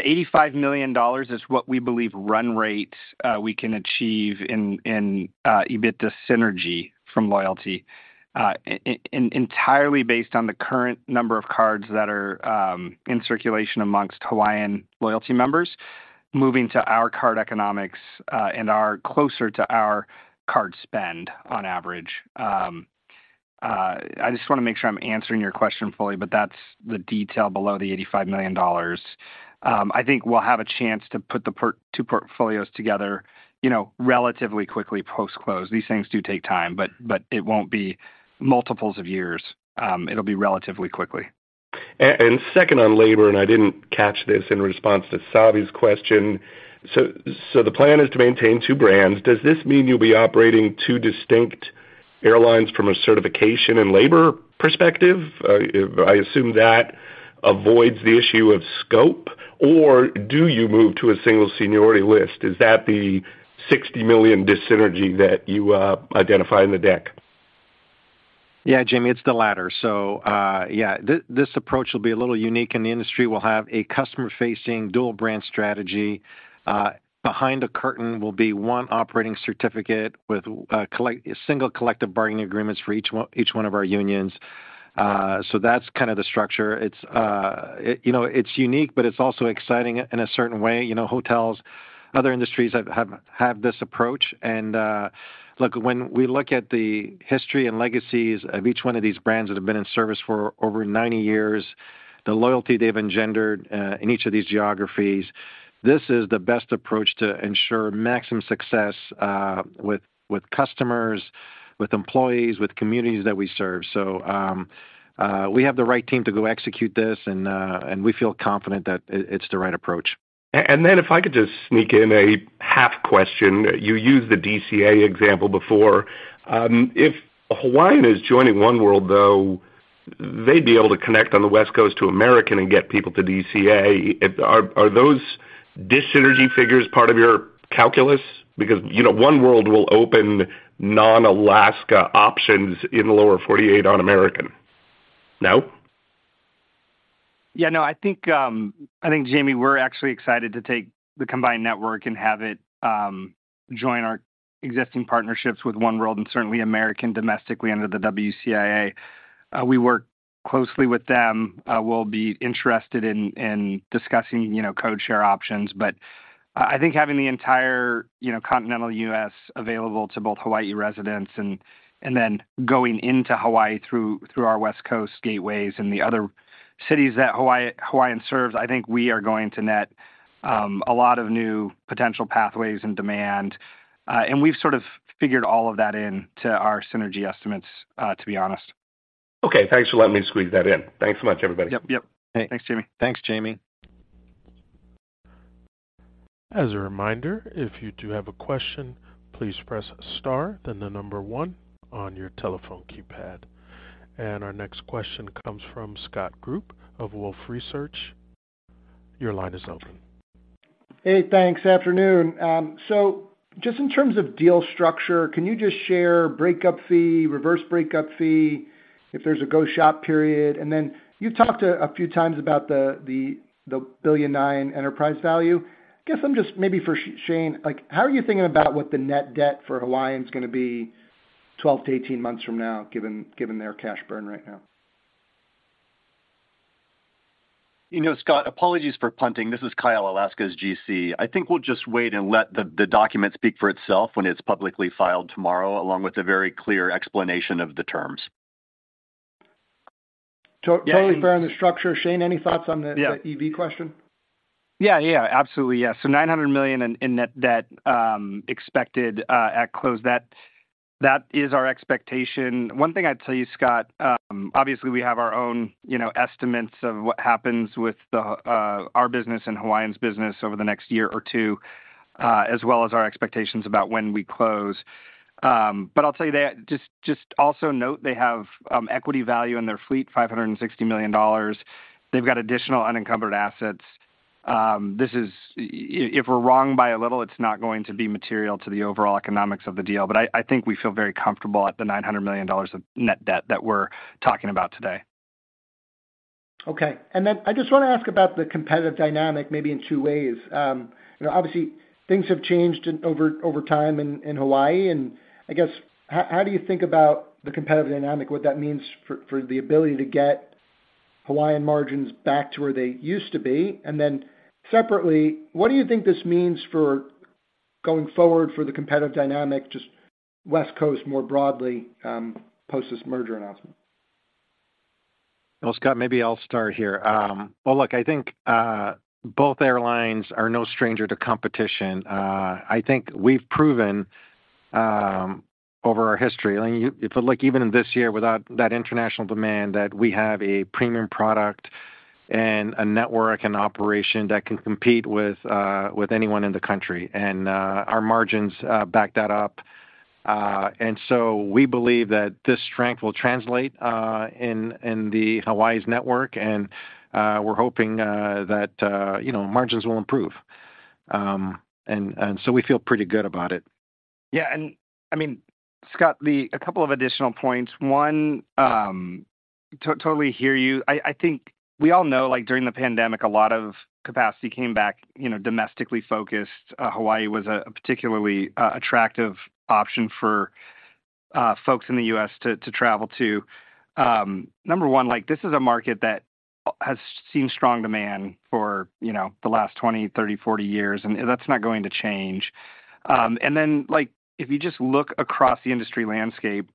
Speaker 5: $85 million is what we believe run rates we can achieve in EBITDA synergy from loyalty, entirely based on the current number of cards that are in circulation amongst Hawaiian loyalty members, moving to our card economics, and are closer to our card spend on average. I just wanna make sure I'm answering your question fully, but that's the detail below the $85 million. I think we'll have a chance to put the two portfolios together, you know, relatively quickly post-close. These things do take time, but it won't be multiples of years. It'll be relatively quickly.
Speaker 9: Second on labor, and I didn't catch this in response to Savi's question: so the plan is to maintain two brands. Does this mean you'll be operating two distinct airlines from a certification and labor perspective? I assume that avoids the issue of scope. Or do you move to a single seniority list? Is that the $60 million dis-synergy that you identified in the deck?
Speaker 3: Yeah, Jamie, it's the latter. So, yeah, this approach will be a little unique, and the industry will have a customer-facing dual brand strategy. Behind the curtain will be one operating certificate with single collective bargaining agreements for each one, each one of our unions. So that's kind of the structure. It's, you know, it's unique, but it's also exciting in a certain way. You know, hotels, other industries have this approach. And, look, when we look at the history and legacies of each one of these brands that have been in service for over ninety years, the loyalty they've engendered in each of these geographies, this is the best approach to ensure maximum success with customers, with employees, with communities that we serve. We have the right team to go execute this, and we feel confident that it's the right approach.
Speaker 9: Then if I could just sneak in a half question. You used the DCA example before. If Hawaiian is joining oneworld, though, they'd be able to connect on the West Coast to American and get people to DCA. Are, are those dyssynergy figures part of your calculus? Because, you know, oneworld will open non-Alaska options in the Lower 48 on American. No?
Speaker 5: Yeah, no, I think, I think, Jamie, we're actually excited to take the combined network and have it join our existing partnerships with oneworld and certainly American domestically under the WCIA. We work closely with them. We'll be interested in discussing, you know, codeshare options, but I think having the entire, you know, continental U.S. available to both Hawaii residents and then going into Hawaii through our West Coast gateways and the other cities that Hawaiian serves, I think we are going to net a lot of new potential pathways and demand, and we've sort of figured all of that into our synergy estimates, to be honest.
Speaker 9: Okay, thanks for letting me squeeze that in. Thanks so much, everybody.
Speaker 5: Yep, yep.
Speaker 3: Hey.
Speaker 5: Thanks, Jamie.
Speaker 3: Thanks, Jamie.
Speaker 1: As a reminder, if you do have a question, please press star, then the number 1 on your telephone keypad. Our next question comes from Scott Group of Wolfe Research. Your line is open.
Speaker 10: Hey, thanks. Afternoon. So just in terms of deal structure, can you just share breakup fee, reverse breakup fee, if there's a go shop period? And then you've talked a few times about the $1.9 billion enterprise value. I guess I'm just maybe for Shane, like, how are you thinking about what the net debt for Hawaiian is gonna be 12-18 months from now, given their cash burn right now?
Speaker 5: You know, Scott, apologies for punting. This is Kyle, Alaska's GC. I think we'll just wait and let the document speak for itself when it's publicly filed tomorrow, along with a very clear explanation of the terms.
Speaker 10: Totally fair on the structure. Shane, any thoughts on the-
Speaker 5: Yeah.
Speaker 10: the EV question?
Speaker 5: Yeah, yeah, absolutely, yes. So $900 million in, in net debt, expected, at close, that, that is our expectation. One thing I'd tell you, Scott, obviously, we have our own, you know, estimates of what happens with the, our business and Hawaiian's business over the next year or two, as well as our expectations about when we close. But I'll tell you that just, just also note they have, equity value in their fleet, $560 million. They've got additional unencumbered assets. This is- i-if we're wrong by a little, it's not going to be material to the overall economics of the deal, but I, I think we feel very comfortable at the $900 million of net debt that we're talking about today.
Speaker 10: Okay. And then I just want to ask about the competitive dynamic, maybe in two ways. You know, obviously, things have changed over time in Hawaii, and I guess, how do you think about the competitive dynamic, what that means for the ability to get Hawaiian margins back to where they used to be? And then separately, what do you think this means for going forward for the competitive dynamic, just West Coast more broadly, post this merger announcement?
Speaker 3: Well, Scott, maybe I'll start here. Well, look, I think both airlines are no stranger to competition. I think we've proven over our history, I mean, you- if you look even in this year, without that international demand, that we have a premium product and a network and operation that can compete with with anyone in the country, and our margins back that up. And so we believe that this strength will translate in in the Hawaii's network, and we're hoping that you know, margins will improve. And so we feel pretty good about it.
Speaker 5: Yeah, and I mean, Scott, a couple of additional points. One, totally hear you. I, I think we all know, like, during the pandemic, a lot of capacity came back, you know, domestically focused. Hawaii was a particularly attractive option for folks in the U.S. to travel to. Number one, like, this is a market that has seen strong demand for, you know, the last 20, 30, 40 years, and that's not going to change. And then, like, if you just look across the industry landscape,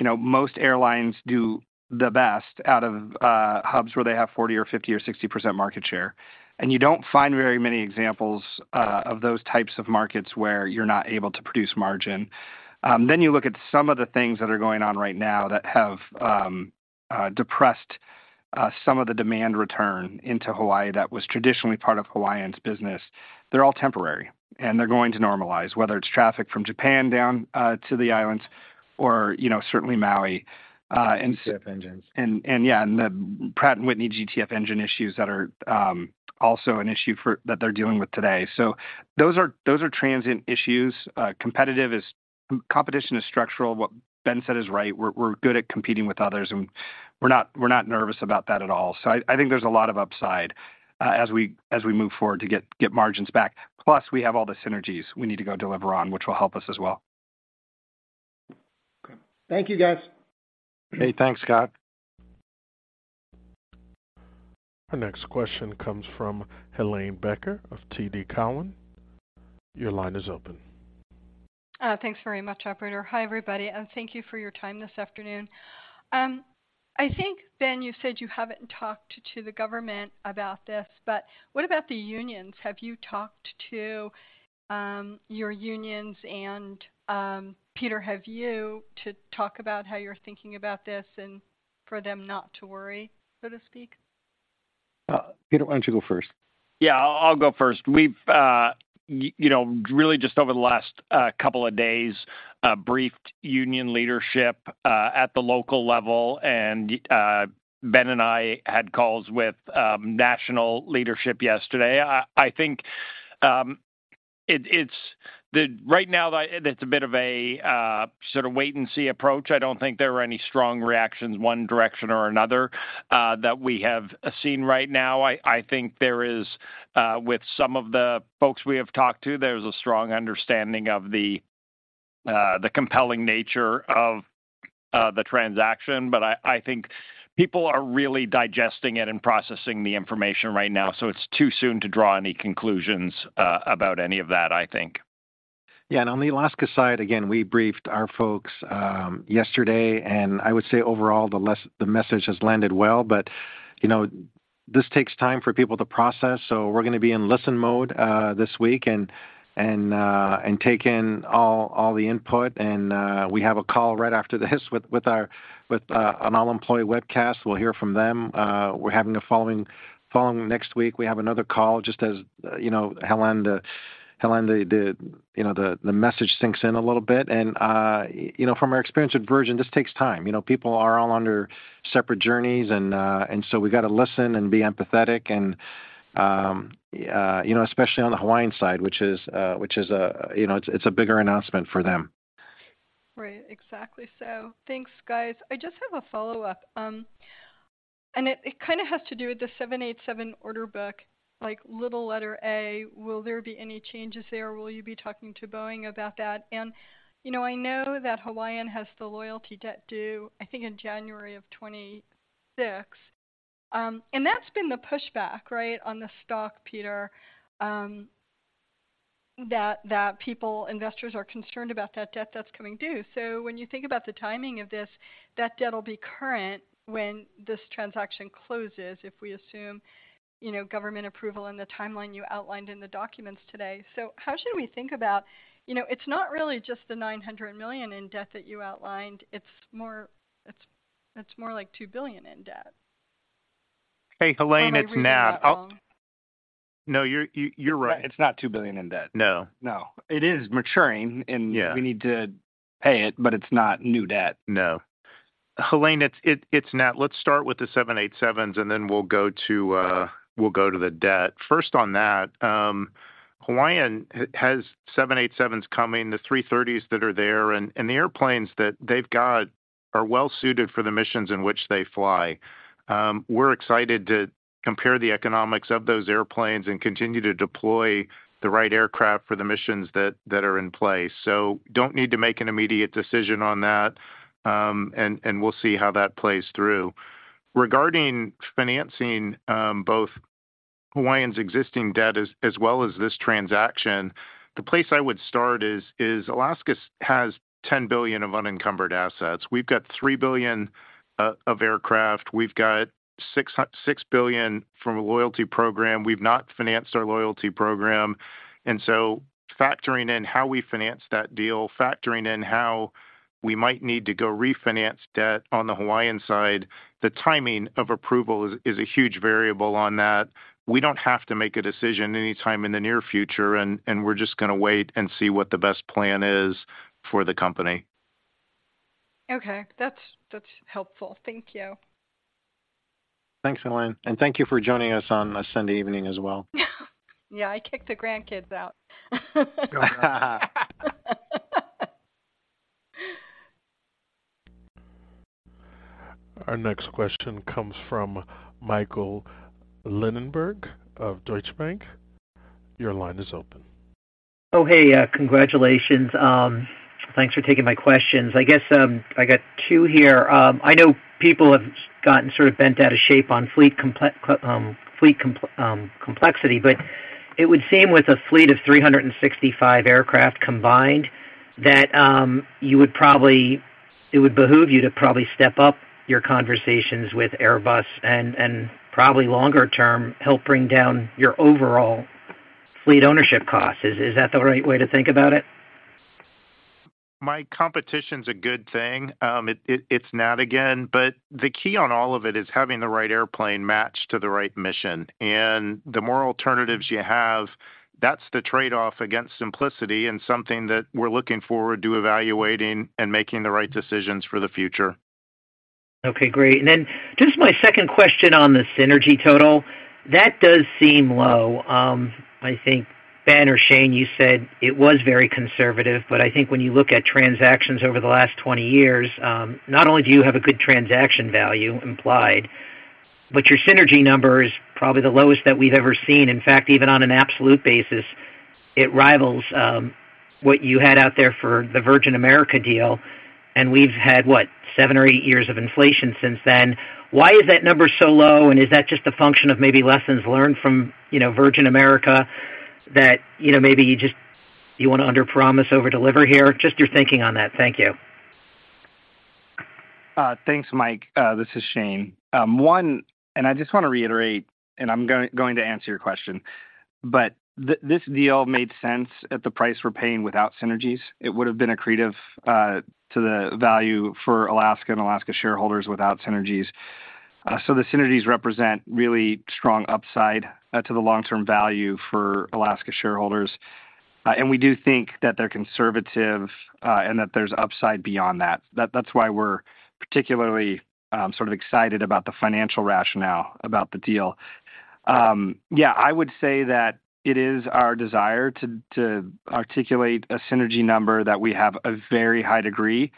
Speaker 5: you know, most airlines do the best out of hubs where they have 40% or 50% or 60% market share, and you don't find very many examples of those types of markets where you're not able to produce margin. Then you look at some of the things that are going on right now that have depressed some of the demand return into Hawaii that was traditionally part of Hawaiian's business. They're all temporary, and they're going to normalize, whether it's traffic from Japan down to the islands or, you know, certainly Maui, and-
Speaker 3: GTF engines.
Speaker 5: Yeah, and the Pratt & Whitney GTF engine issues that are also an issue that they're dealing with today. So those are, those are transient issues. Competition is structural. What Ben said is right. We're, we're good at competing with others, and we're not, we're not nervous about that at all. So I, I think there's a lot of upside, as we, as we move forward to get, get margins back. Plus, we have all the synergies we need to go deliver on, which will help us as well.
Speaker 10: Okay. Thank you, guys.
Speaker 3: Hey, thanks, Scott.
Speaker 1: Our next question comes from Helane Becker of TD Cowen. Your line is open.
Speaker 11: Thanks very much, operator. Hi, everybody, and thank you for your time this afternoon. I think, Ben, you said you haven't talked to the government about this, but what about the unions? Have you talked to your unions, and Peter, have you to talk about how you're thinking about this and for them not to worry, so to speak?
Speaker 3: Peter, why don't you go first?
Speaker 4: Yeah, I'll, I'll go first. We've, you know, really just over the last couple of days, briefed union leadership at the local level, and Ben and I had calls with national leadership yesterday. I, I think, it's right now. It's a bit of a sort of wait and see approach. I don't think there are any strong reactions, one direction or another, that we have seen right now. I, I think there is, with some of the folks we have talked to, there's a strong understanding of the compelling nature of the transaction, but I, I think people are really digesting it and processing the information right now, so it's too soon to draw any conclusions about any of that, I think.
Speaker 3: Yeah, and on the Alaska side, again, we briefed our folks yesterday, and I would say overall, the message has landed well. But, you know, this takes time for people to process, so we're gonna be in listen mode this week and take in all the input. And we have a call right after this with an all-employee webcast. We'll hear from them. We're having a follow-up next week, we have another call, just as, you know, Helane, the message sinks in a little bit. And, you know, from our experience with Virgin, this takes time. You know, people are all under separate journeys, and so we've got to listen and be empathetic and you know, especially on the Hawaiian side, which is a you know, it's a bigger announcement for them.
Speaker 11: Right. Exactly, so thanks, guys. I just have a follow-up, and it kind of has to do with the 787 order book, like little letter A, will there be any changes there? Will you be talking to Boeing about that? And, you know, I know that Hawaiian has the loyalty debt due, I think, in January of 2026. And that's been the pushback, right, on the stock, Peter, that people, investors are concerned about that debt that's coming due. So when you think about the timing of this, that debt will be current when this transaction closes, if we assume, you know, government approval and the timeline you outlined in the documents today. So how should we think about— you know, it's not really just the $900 million in debt that you outlined. It's more like $2 billion in debt.
Speaker 12: Hey, Helane, it's Nat.
Speaker 11: Or are we not wrong?
Speaker 12: No, you're right.
Speaker 5: It's not $2 billion in debt.
Speaker 12: No.
Speaker 5: No. It is maturing, and-
Speaker 12: Yeah
Speaker 5: We need to pay it, but it's not new debt.
Speaker 12: No. Helane, it's Nat. Let's start with the 787s, and then we'll go to the debt. First, on that, Hawaiian has 787s coming, the 330s that are there, and the airplanes that they've got are well suited for the missions in which they fly. We're excited to compare the economics of those airplanes and continue to deploy the right aircraft for the missions that are in place. So don't need to make an immediate decision on that, and we'll see how that plays through. Regarding financing, both Hawaiian's existing debt as well as this transaction, the place I would start is Alaska's has $10 billion of unencumbered assets. We've got $3 billion of aircraft. We've got $6 billion from a loyalty program. We've not financed our loyalty program. So factoring in how we finance that deal, factoring in how we might need to go refinance debt on the Hawaiian side, the timing of approval is a huge variable on that. We don't have to make a decision anytime in the near future, and we're just going to wait and see what the best plan is for the company.
Speaker 11: Okay. That's, that's helpful. Thank you.
Speaker 5: Thanks, Helane. Thank you for joining us on a Sunday evening as well.
Speaker 11: Yeah, I kicked the grandkids out.
Speaker 1: Our next question comes from Michael Linenberg of Deutsche Bank. Your line is open.
Speaker 13: Oh, hey, congratulations. Thanks for taking my questions. I guess, I got two here. I know people have gotten sort of bent out of shape on fleet complexity, but it would seem with a fleet of 365 aircraft combined, that, you would probably. It would behoove you to probably step up your conversations with Airbus and, and probably longer term, help bring down your overall fleet ownership costs. Is that the right way to think about it?
Speaker 12: Mike, competition's a good thing. It's Nat again, but the key on all of it is having the right airplane matched to the right mission. And the more alternatives you have, that's the trade-off against simplicity and something that we're looking forward to evaluating and making the right decisions for the future.
Speaker 13: Okay, great. And then just my second question on the synergy total, that does seem low. I think, Ben or Shane, you said it was very conservative, but I think when you look at transactions over the last 20 years, not only do you have a good transaction value implied, but your synergy number is probably the lowest that we've ever seen. In fact, even on an absolute basis, it rivals, what you had out there for the Virgin America deal, and we've had, what? Seven or eight years of inflation since then. Why is that number so low? And is that just a function of maybe lessons learned from, you know, Virgin America that, you know, maybe you just, you want to underpromise, overdeliver here? Just your thinking on that. Thank you.
Speaker 5: Thanks, Mike. This is Shane. I just want to reiterate, and I'm going to answer your question, but this deal made sense at the price we're paying without synergies. It would have been accretive to the value for Alaska and Alaska shareholders without synergies. So the synergies represent really strong upside to the long-term value for Alaska shareholders. And we do think that they're conservative, and that there's upside beyond that. That's why we're particularly sort of excited about the financial rationale about the deal. Yeah, I would say that it is our desire to articulate a synergy number that we have a very high degree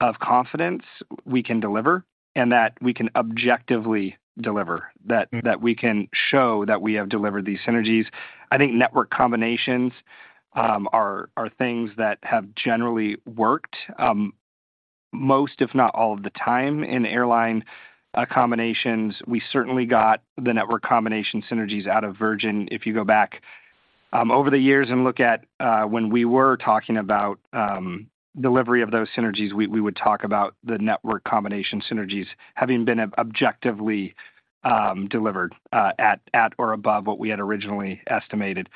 Speaker 5: of confidence we can deliver, and that we can objectively deliver, that we can show that we have delivered these synergies. I think network combinations are things that have generally worked most, if not all, of the time in airline combinations. We certainly got the network combination synergies out of Virgin. If you go back over the years and look at when we were talking about delivery of those synergies, we would talk about the network combination synergies having been objectively delivered at or above what we had originally estimated.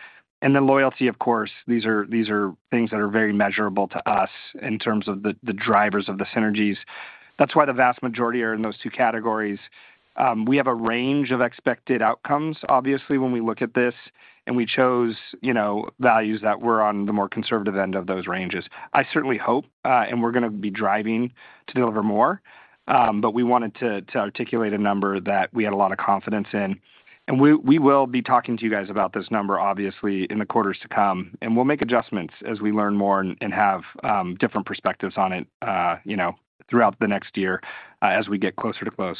Speaker 5: And the loyalty, of course, these are things that are very measurable to us in terms of the drivers of the synergies. That's why the vast majority are in those two categories. We have a range of expected outcomes, obviously, when we look at this, and we chose, you know, values that were on the more conservative end of those ranges. I certainly hope, and we're going to be driving to deliver more, but we wanted to articulate a number that we had a lot of confidence in. We will be talking to you guys about this number, obviously, in the quarters to come, and we'll make adjustments as we learn more and have different perspectives on it, you know, throughout the next year, as we get closer to close.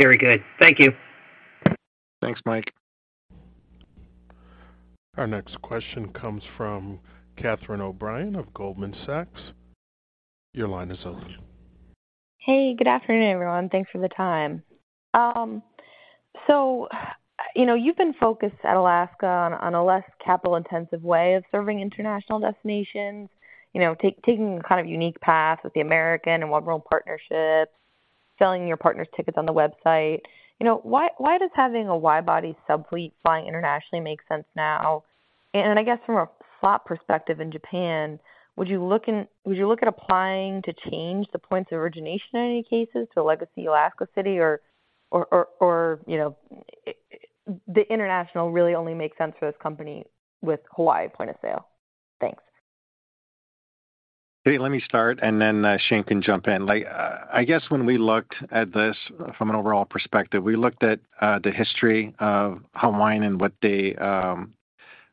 Speaker 13: Very good. Thank you.
Speaker 5: Thanks, Mike.
Speaker 1: Our next question comes from Catherine O'Brien of Goldman Sachs. Your line is open.
Speaker 14: Hey, good afternoon, everyone. Thanks for the time. So, you know, you've been focused at Alaska on a less capital-intensive way of serving international destinations. You know, taking a kind of unique path with the American and oneworld partnerships, selling your partners tickets on the website. You know, why does having a wide-body sub fleet flying internationally make sense now? And I guess from a slot perspective in Japan, would you look at applying to change the points of origination in any cases to a legacy Alaska city or, you know, the international really only makes sense for this company with Hawaii point of sale? Thanks.
Speaker 3: Katie, let me start, and then Shane can jump in. Like, I guess when we looked at this from an overall perspective, we looked at the history of Hawaiian and what they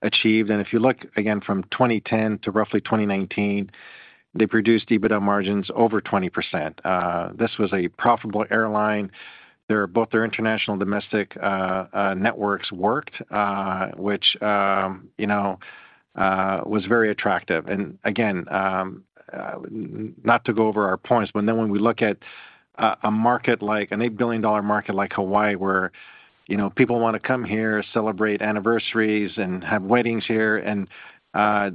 Speaker 3: achieved. And if you look again from 2010 to roughly 2019, they produced EBITDA margins over 20%. This was a profitable airline. Both their international and domestic networks worked, which you know was very attractive. And again, not to go over our points, but then when we look at a market like an $8 billion market like Hawaii, where you know people want to come here, celebrate anniversaries, and have weddings here, and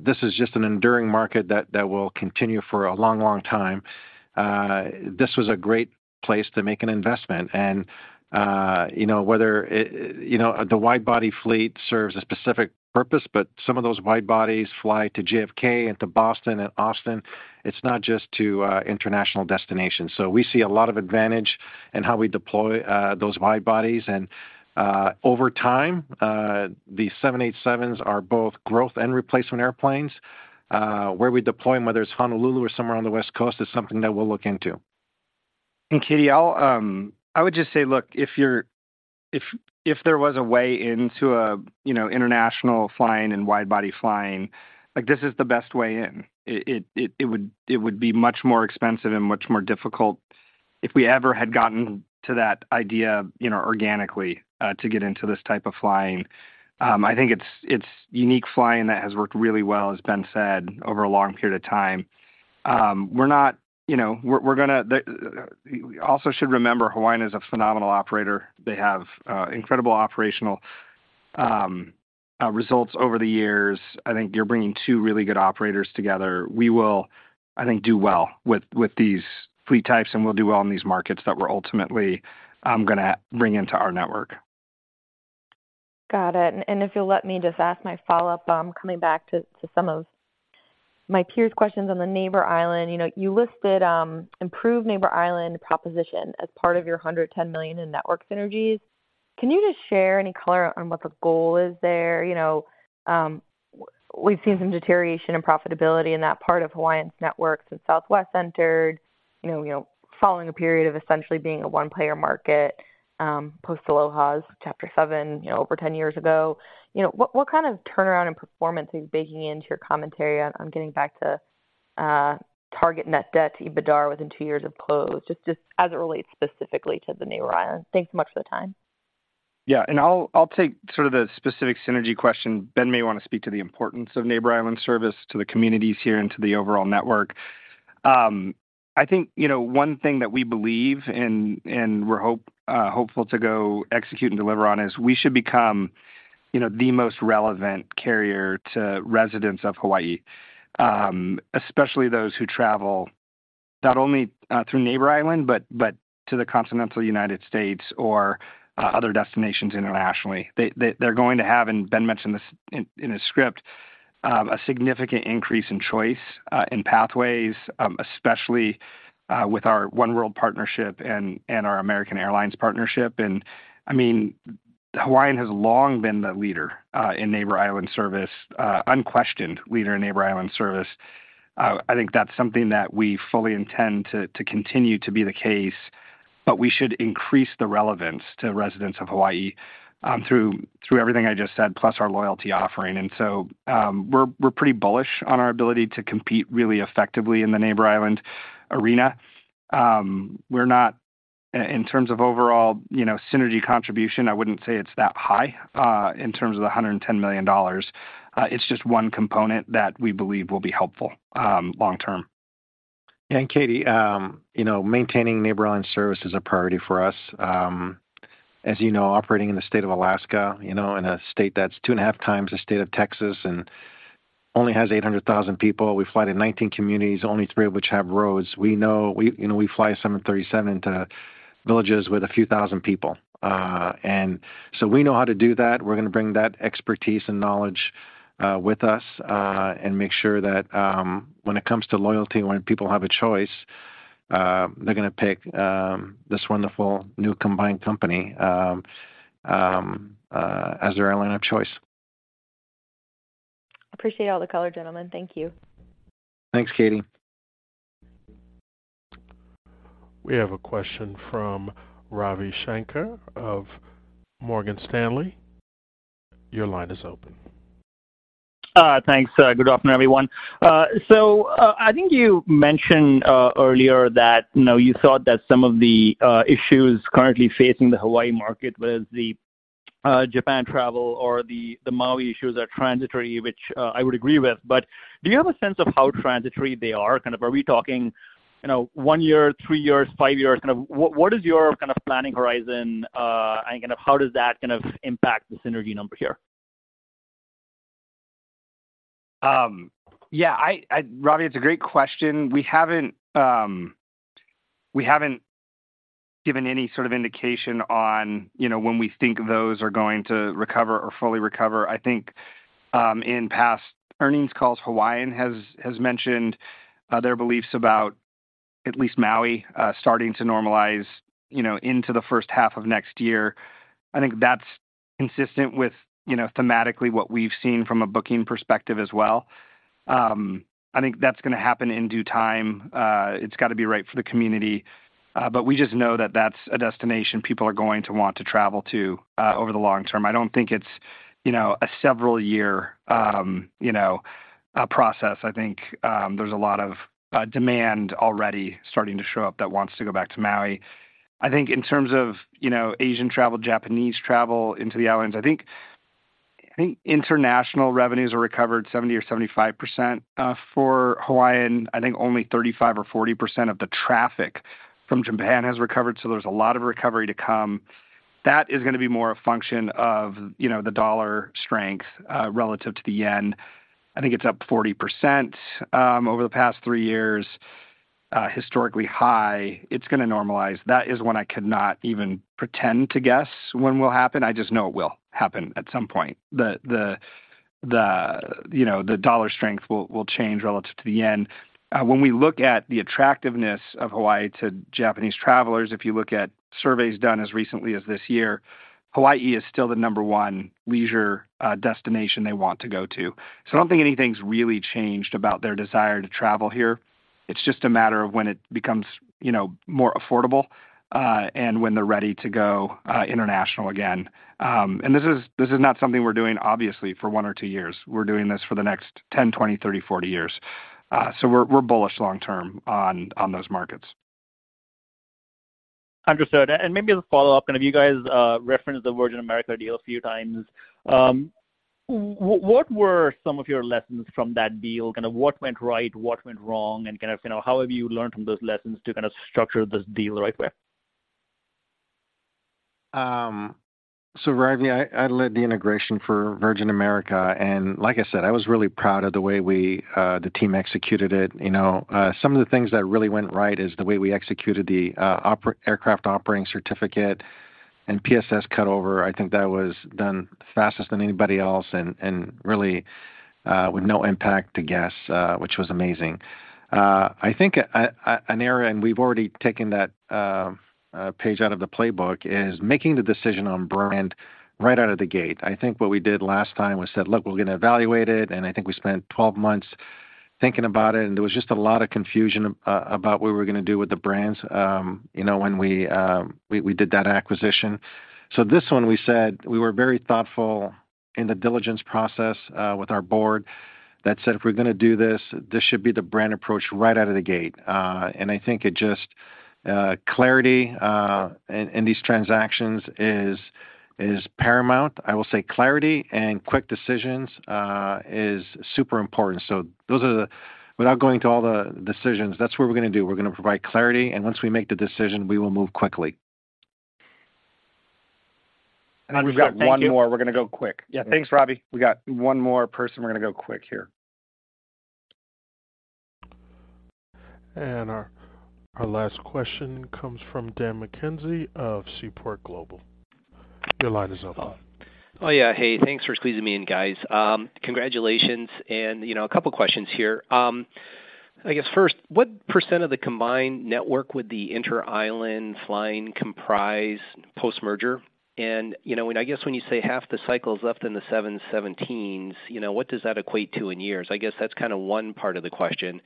Speaker 3: this is just an enduring market that will continue for a long, long time. This was a great place to make an investment. And, you know, whether it, you know, the wide-body fleet serves a specific purpose, but some of those wide bodies fly to JFK and to Boston and Austin. It's not just to international destinations. So we see a lot of advantage in how we deploy those wide bodies, and over time, the 787s are both growth and replacement airplanes. Where we deploy them, whether it's Honolulu or somewhere on the West Coast, is something that we'll look into.
Speaker 5: Katie, I'll, I would just say, look, if there was a way into a, you know, international flying and wide-body flying, like this is the best way in. It would be much more expensive and much more difficult if we ever had gotten to that idea, you know, organically, to get into this type of flying. I think it's unique flying that has worked really well, as Ben said, over a long period of time. We're not, you know, we're gonna. Also, should remember, Hawaiian is a phenomenal operator. They have incredible operational results over the years. I think you're bringing two really good operators together. We will, I think, do well with these fleet types, and we'll do well in these markets that we're ultimately gonna bring into our network.
Speaker 14: Got it. And if you'll let me just ask my follow-up, coming back to some of my peers' questions on the Neighbor Island. You know, you listed improved Neighbor Island proposition as part of your $110 million in network synergies. Can you just share any color on what the goal is there? You know, we've seen some deterioration in profitability in that part of Hawaiian's network since Southwest entered, you know, following a period of essentially being a one-player market, post Aloha's Chapter 7, you know, over 10 years ago. You know, what kind of turnaround in performance are you baking into your commentary on getting back to target net debt to EBITDA within 2 years of close, just as it relates specifically to the Neighbor Island? Thanks so much for the time.
Speaker 5: Yeah. And I'll take sort of the specific synergy question. Ben may want to speak to the importance of Neighbor Island service to the communities here and to the overall network. I think, you know, one thing that we believe and we're hopeful to go execute and deliver on is we should become, you know, the most relevant carrier to residents of Hawaii, especially those who travel not only through Neighbor Island, but to the continental United States or other destinations internationally. They're going to have, and Ben mentioned this in his script, a significant increase in choice in pathways, especially with our oneworld partnership and our American Airlines partnership. And I mean, Hawaiian has long been the leader in Neighbor Island service, unquestioned leader in Neighbor Island service. I think that's something that we fully intend to continue to be the case, but we should increase the relevance to residents of Hawaii through everything I just said, plus our loyalty offering. And so, we're pretty bullish on our ability to compete really effectively in the Neighbor Island arena. We're not in terms of overall, you know, synergy contribution, I wouldn't say it's that high in terms of the $110 million. It's just one component that we believe will be helpful long term.
Speaker 3: Katie, you know, maintaining Neighbor Island service is a priority for us. As you know, operating in the state of Alaska, you know, in a state that's two and a half times the state of Texas and only has 800,000 people, we fly to 19 communities, only three of which have roads. We, you know, we fly 737 into villages with a few thousand people. And so we know how to do that. We're going to bring that expertise and knowledge with us and make sure that, when it comes to loyalty, when people have a choice, they're gonna pick this wonderful new combined company as their airline of choice.
Speaker 14: Appreciate all the color, gentlemen. Thank you.
Speaker 3: Thanks, Katie.
Speaker 1: We have a question from Ravi Shanker of Morgan Stanley. Your line is open.
Speaker 15: Thanks. Good afternoon, everyone. So, I think you mentioned earlier that, you know, you thought that some of the issues currently facing the Hawaii market was the- Japan travel or the Maui issues are transitory, which I would agree with. But do you have a sense of how transitory they are? Kind of are we talking, you know, one year, three years, five years? Kind of what is your kind of planning horizon, and kind of how does that kind of impact the synergy number here?
Speaker 5: Yeah, Ravi, it's a great question. We haven't, we haven't given any sort of indication on, you know, when we think those are going to recover or fully recover. I think, in past earnings calls, Hawaiian has mentioned their beliefs about at least Maui starting to normalize, you know, into the first half of next year. I think that's consistent with, you know, thematically, what we've seen from a booking perspective as well. I think that's going to happen in due time. It's got to be right for the community, but we just know that that's a destination people are going to want to travel to, over the long term. I don't think it's, you know, a several year, you know, process. I think, there's a lot of demand already starting to show up that wants to go back to Maui. I think in terms of, you know, Asian travel, Japanese travel into the islands, I think international revenues are recovered 70%-75%. For Hawaiian, I think only 35%-40% of the traffic from Japan has recovered, so there's a lot of recovery to come. That is gonna be more a function of, you know, the dollar strength relative to the yen. I think it's up 40% over the past 3 years, historically high. It's gonna normalize. That is one I could not even pretend to guess when will happen. I just know it will happen at some point. You know, the dollar strength will change relative to the yen. When we look at the attractiveness of Hawaii to Japanese travelers, if you look at surveys done as recently as this year, Hawaii is still the number 1 leisure destination they want to go to. So I don't think anything's really changed about their desire to travel here. It's just a matter of when it becomes, you know, more affordable, and when they're ready to go international again. And this is, this is not something we're doing, obviously, for 1 or 2 years. We're doing this for the next 10, 20, 30, 40 years. So we're, we're bullish long term on, on those markets.
Speaker 15: Understood. And maybe as a follow-up, kind of you guys referenced the Virgin America deal a few times. What were some of your lessons from that deal? Kind of what went right, what went wrong, and kind of, you know, how have you learned from those lessons to kind of structure this deal the right way?
Speaker 3: So, Ravi, I led the integration for Virgin America, and like I said, I was really proud of the way we, the team executed it. You know, some of the things that really went right is the way we executed the aircraft operating certificate and PSS cutover. I think that was done faster than anybody else and really with no impact to guests, which was amazing. I think an area, and we've already taken that page out of the playbook, is making the decision on brand right out of the gate. I think what we did last time was said: Look, we're gonna evaluate it, and I think we spent 12 months thinking about it, and there was just a lot of confusion about what we were gonna do with the brands, you know, when we did that acquisition. So this one, we said we were very thoughtful in the diligence process with our board. That said, if we're gonna do this, this should be the brand approach right out of the gate. And I think it just clarity in these transactions is paramount. I will say clarity and quick decisions is super important. So those are the... Without going to all the decisions, that's what we're gonna do. We're gonna provide clarity, and once we make the decision, we will move quickly.
Speaker 15: Understood. Thank you.
Speaker 5: We've got one more. We're gonna go quick.
Speaker 3: Yeah. Thanks, Ravi.
Speaker 5: We got one more person. We're gonna go quick here.
Speaker 1: And our last question comes from Dan McKenzie of Seaport Global. Your line is open.
Speaker 16: Oh, yeah. Hey, thanks for squeezing me in, guys. Congratulations, and, you know, a couple questions here. I guess first, what % of the combined network would the interisland flying comprise post-merger? And, you know, when you say half the cycle is left in the 717s, you know, what does that equate to in years? I guess that's kind of one part of the question.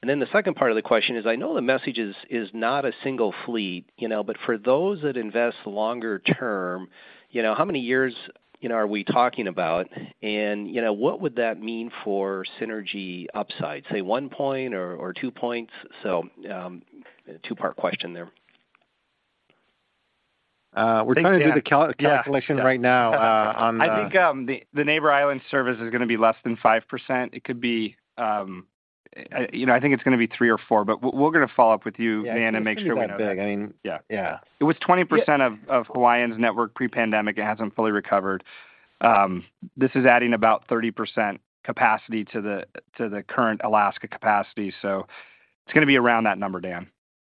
Speaker 16: And then the second part of the question is, I know the message is not a single fleet, you know, but for those that invest longer term, you know, how many years, you know, are we talking about? And, you know, what would that mean for synergy upside? Say, 1 point or 2 points? So, a two-part question there.
Speaker 5: We're trying to do the calculation right now, on the-
Speaker 3: I think, the neighbor island service is gonna be less than 5%. It could be, you know, I think it's gonna be 3% or 4%, but we're gonna follow up with you, Dan, and make sure-
Speaker 16: Yeah, it's pretty that big, I mean.
Speaker 3: Yeah.
Speaker 16: Yeah.
Speaker 5: It was 20% of Hawaiian's network pre-pandemic. It hasn't fully recovered. This is adding about 30% capacity to the current Alaska capacity, so it's gonna be around that number, Dan.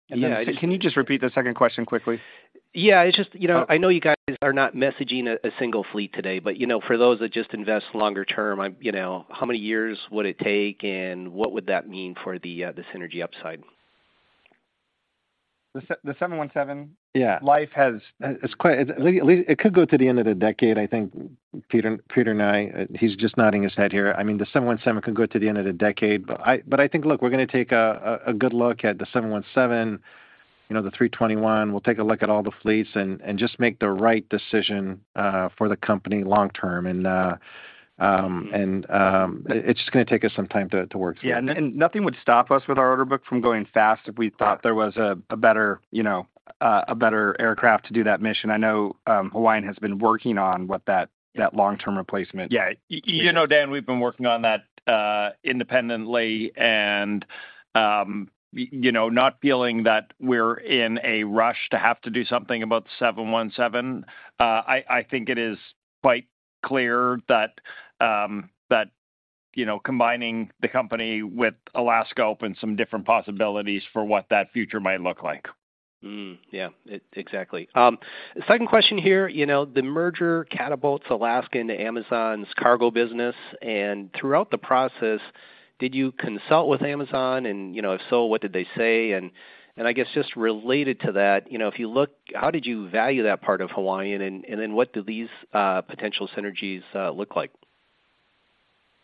Speaker 3: Yeah.
Speaker 5: Can you just repeat the second question quickly?
Speaker 16: Yeah, it's just, you know, I know you guys are not messaging a single fleet today, but, you know, for those that just invest longer term, I'm, you know, how many years would it take, and what would that mean for the synergy upside?
Speaker 3: The 717-
Speaker 5: Yeah.
Speaker 3: Life has-
Speaker 5: At least it could go to the end of the decade. I think Peter and I, he's just nodding his head here. I mean, the 717 could go to the end of the decade, but I think, look, we're gonna take a good look at the 717, you know, the 321. We'll take a look at all the fleets and just make the right decision for the company long term. And it's just gonna take us some time to work through.
Speaker 16: Yeah, and nothing would stop us with our order book from going fast if we thought there was a better, you know, a better aircraft to do that mission. I know Hawaiian has been working on what that long-term replacement-
Speaker 4: Yeah. You know, Dan, we've been working on that independently, and you know, not feeling that we're in a rush to have to do something about the 717. I think it is quite clear that that you know, combining the company with Alaska opens some different possibilities for what that future might look like.
Speaker 16: Yeah, exactly. Second question here. You know, the merger catapults Alaska into Amazon's cargo business, and throughout the process, did you consult with Amazon? And, you know, if so, what did they say? And I guess just related to that, you know, if you look... How did you value that part of Hawaiian, and then what do these potential synergies look like?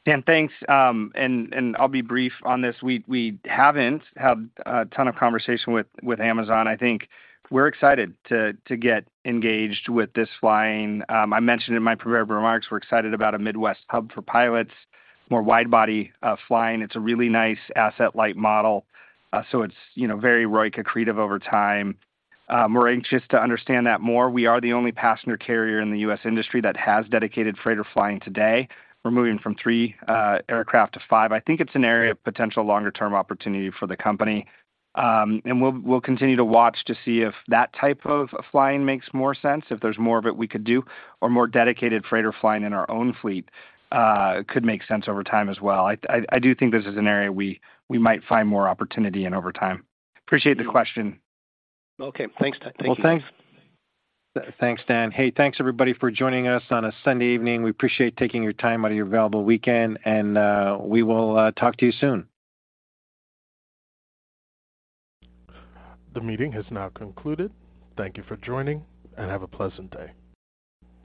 Speaker 5: Dan, thanks. And I'll be brief on this. We haven't had a ton of conversation with Amazon. I think we're excited to get engaged with this flying. I mentioned in my prepared remarks, we're excited about a Midwest hub for pilots, more wide-body flying. It's a really nice asset-light model, so it's, you know, very ROIC accretive over time. We're anxious to understand that more. We are the only passenger carrier in the U.S. industry that has dedicated freighter flying today. We're moving from 3 aircraft to 5. I think it's an area of potential longer term opportunity for the company. And we'll continue to watch to see if that type of flying makes more sense, if there's more of it we could do, or more dedicated freighter flying in our own fleet, could make sense over time as well. I do think this is an area we might find more opportunity in over time. Appreciate the question.
Speaker 16: Okay. Thanks, Todd. Thank you.
Speaker 5: Well, thanks.
Speaker 4: Thanks, Dan. Hey, thanks everybody for joining us on a Sunday evening. We appreciate you taking your time out of your valuable weekend, and we will talk to you soon.
Speaker 1: The meeting has now concluded. Thank you for joining, and have a pleasant day.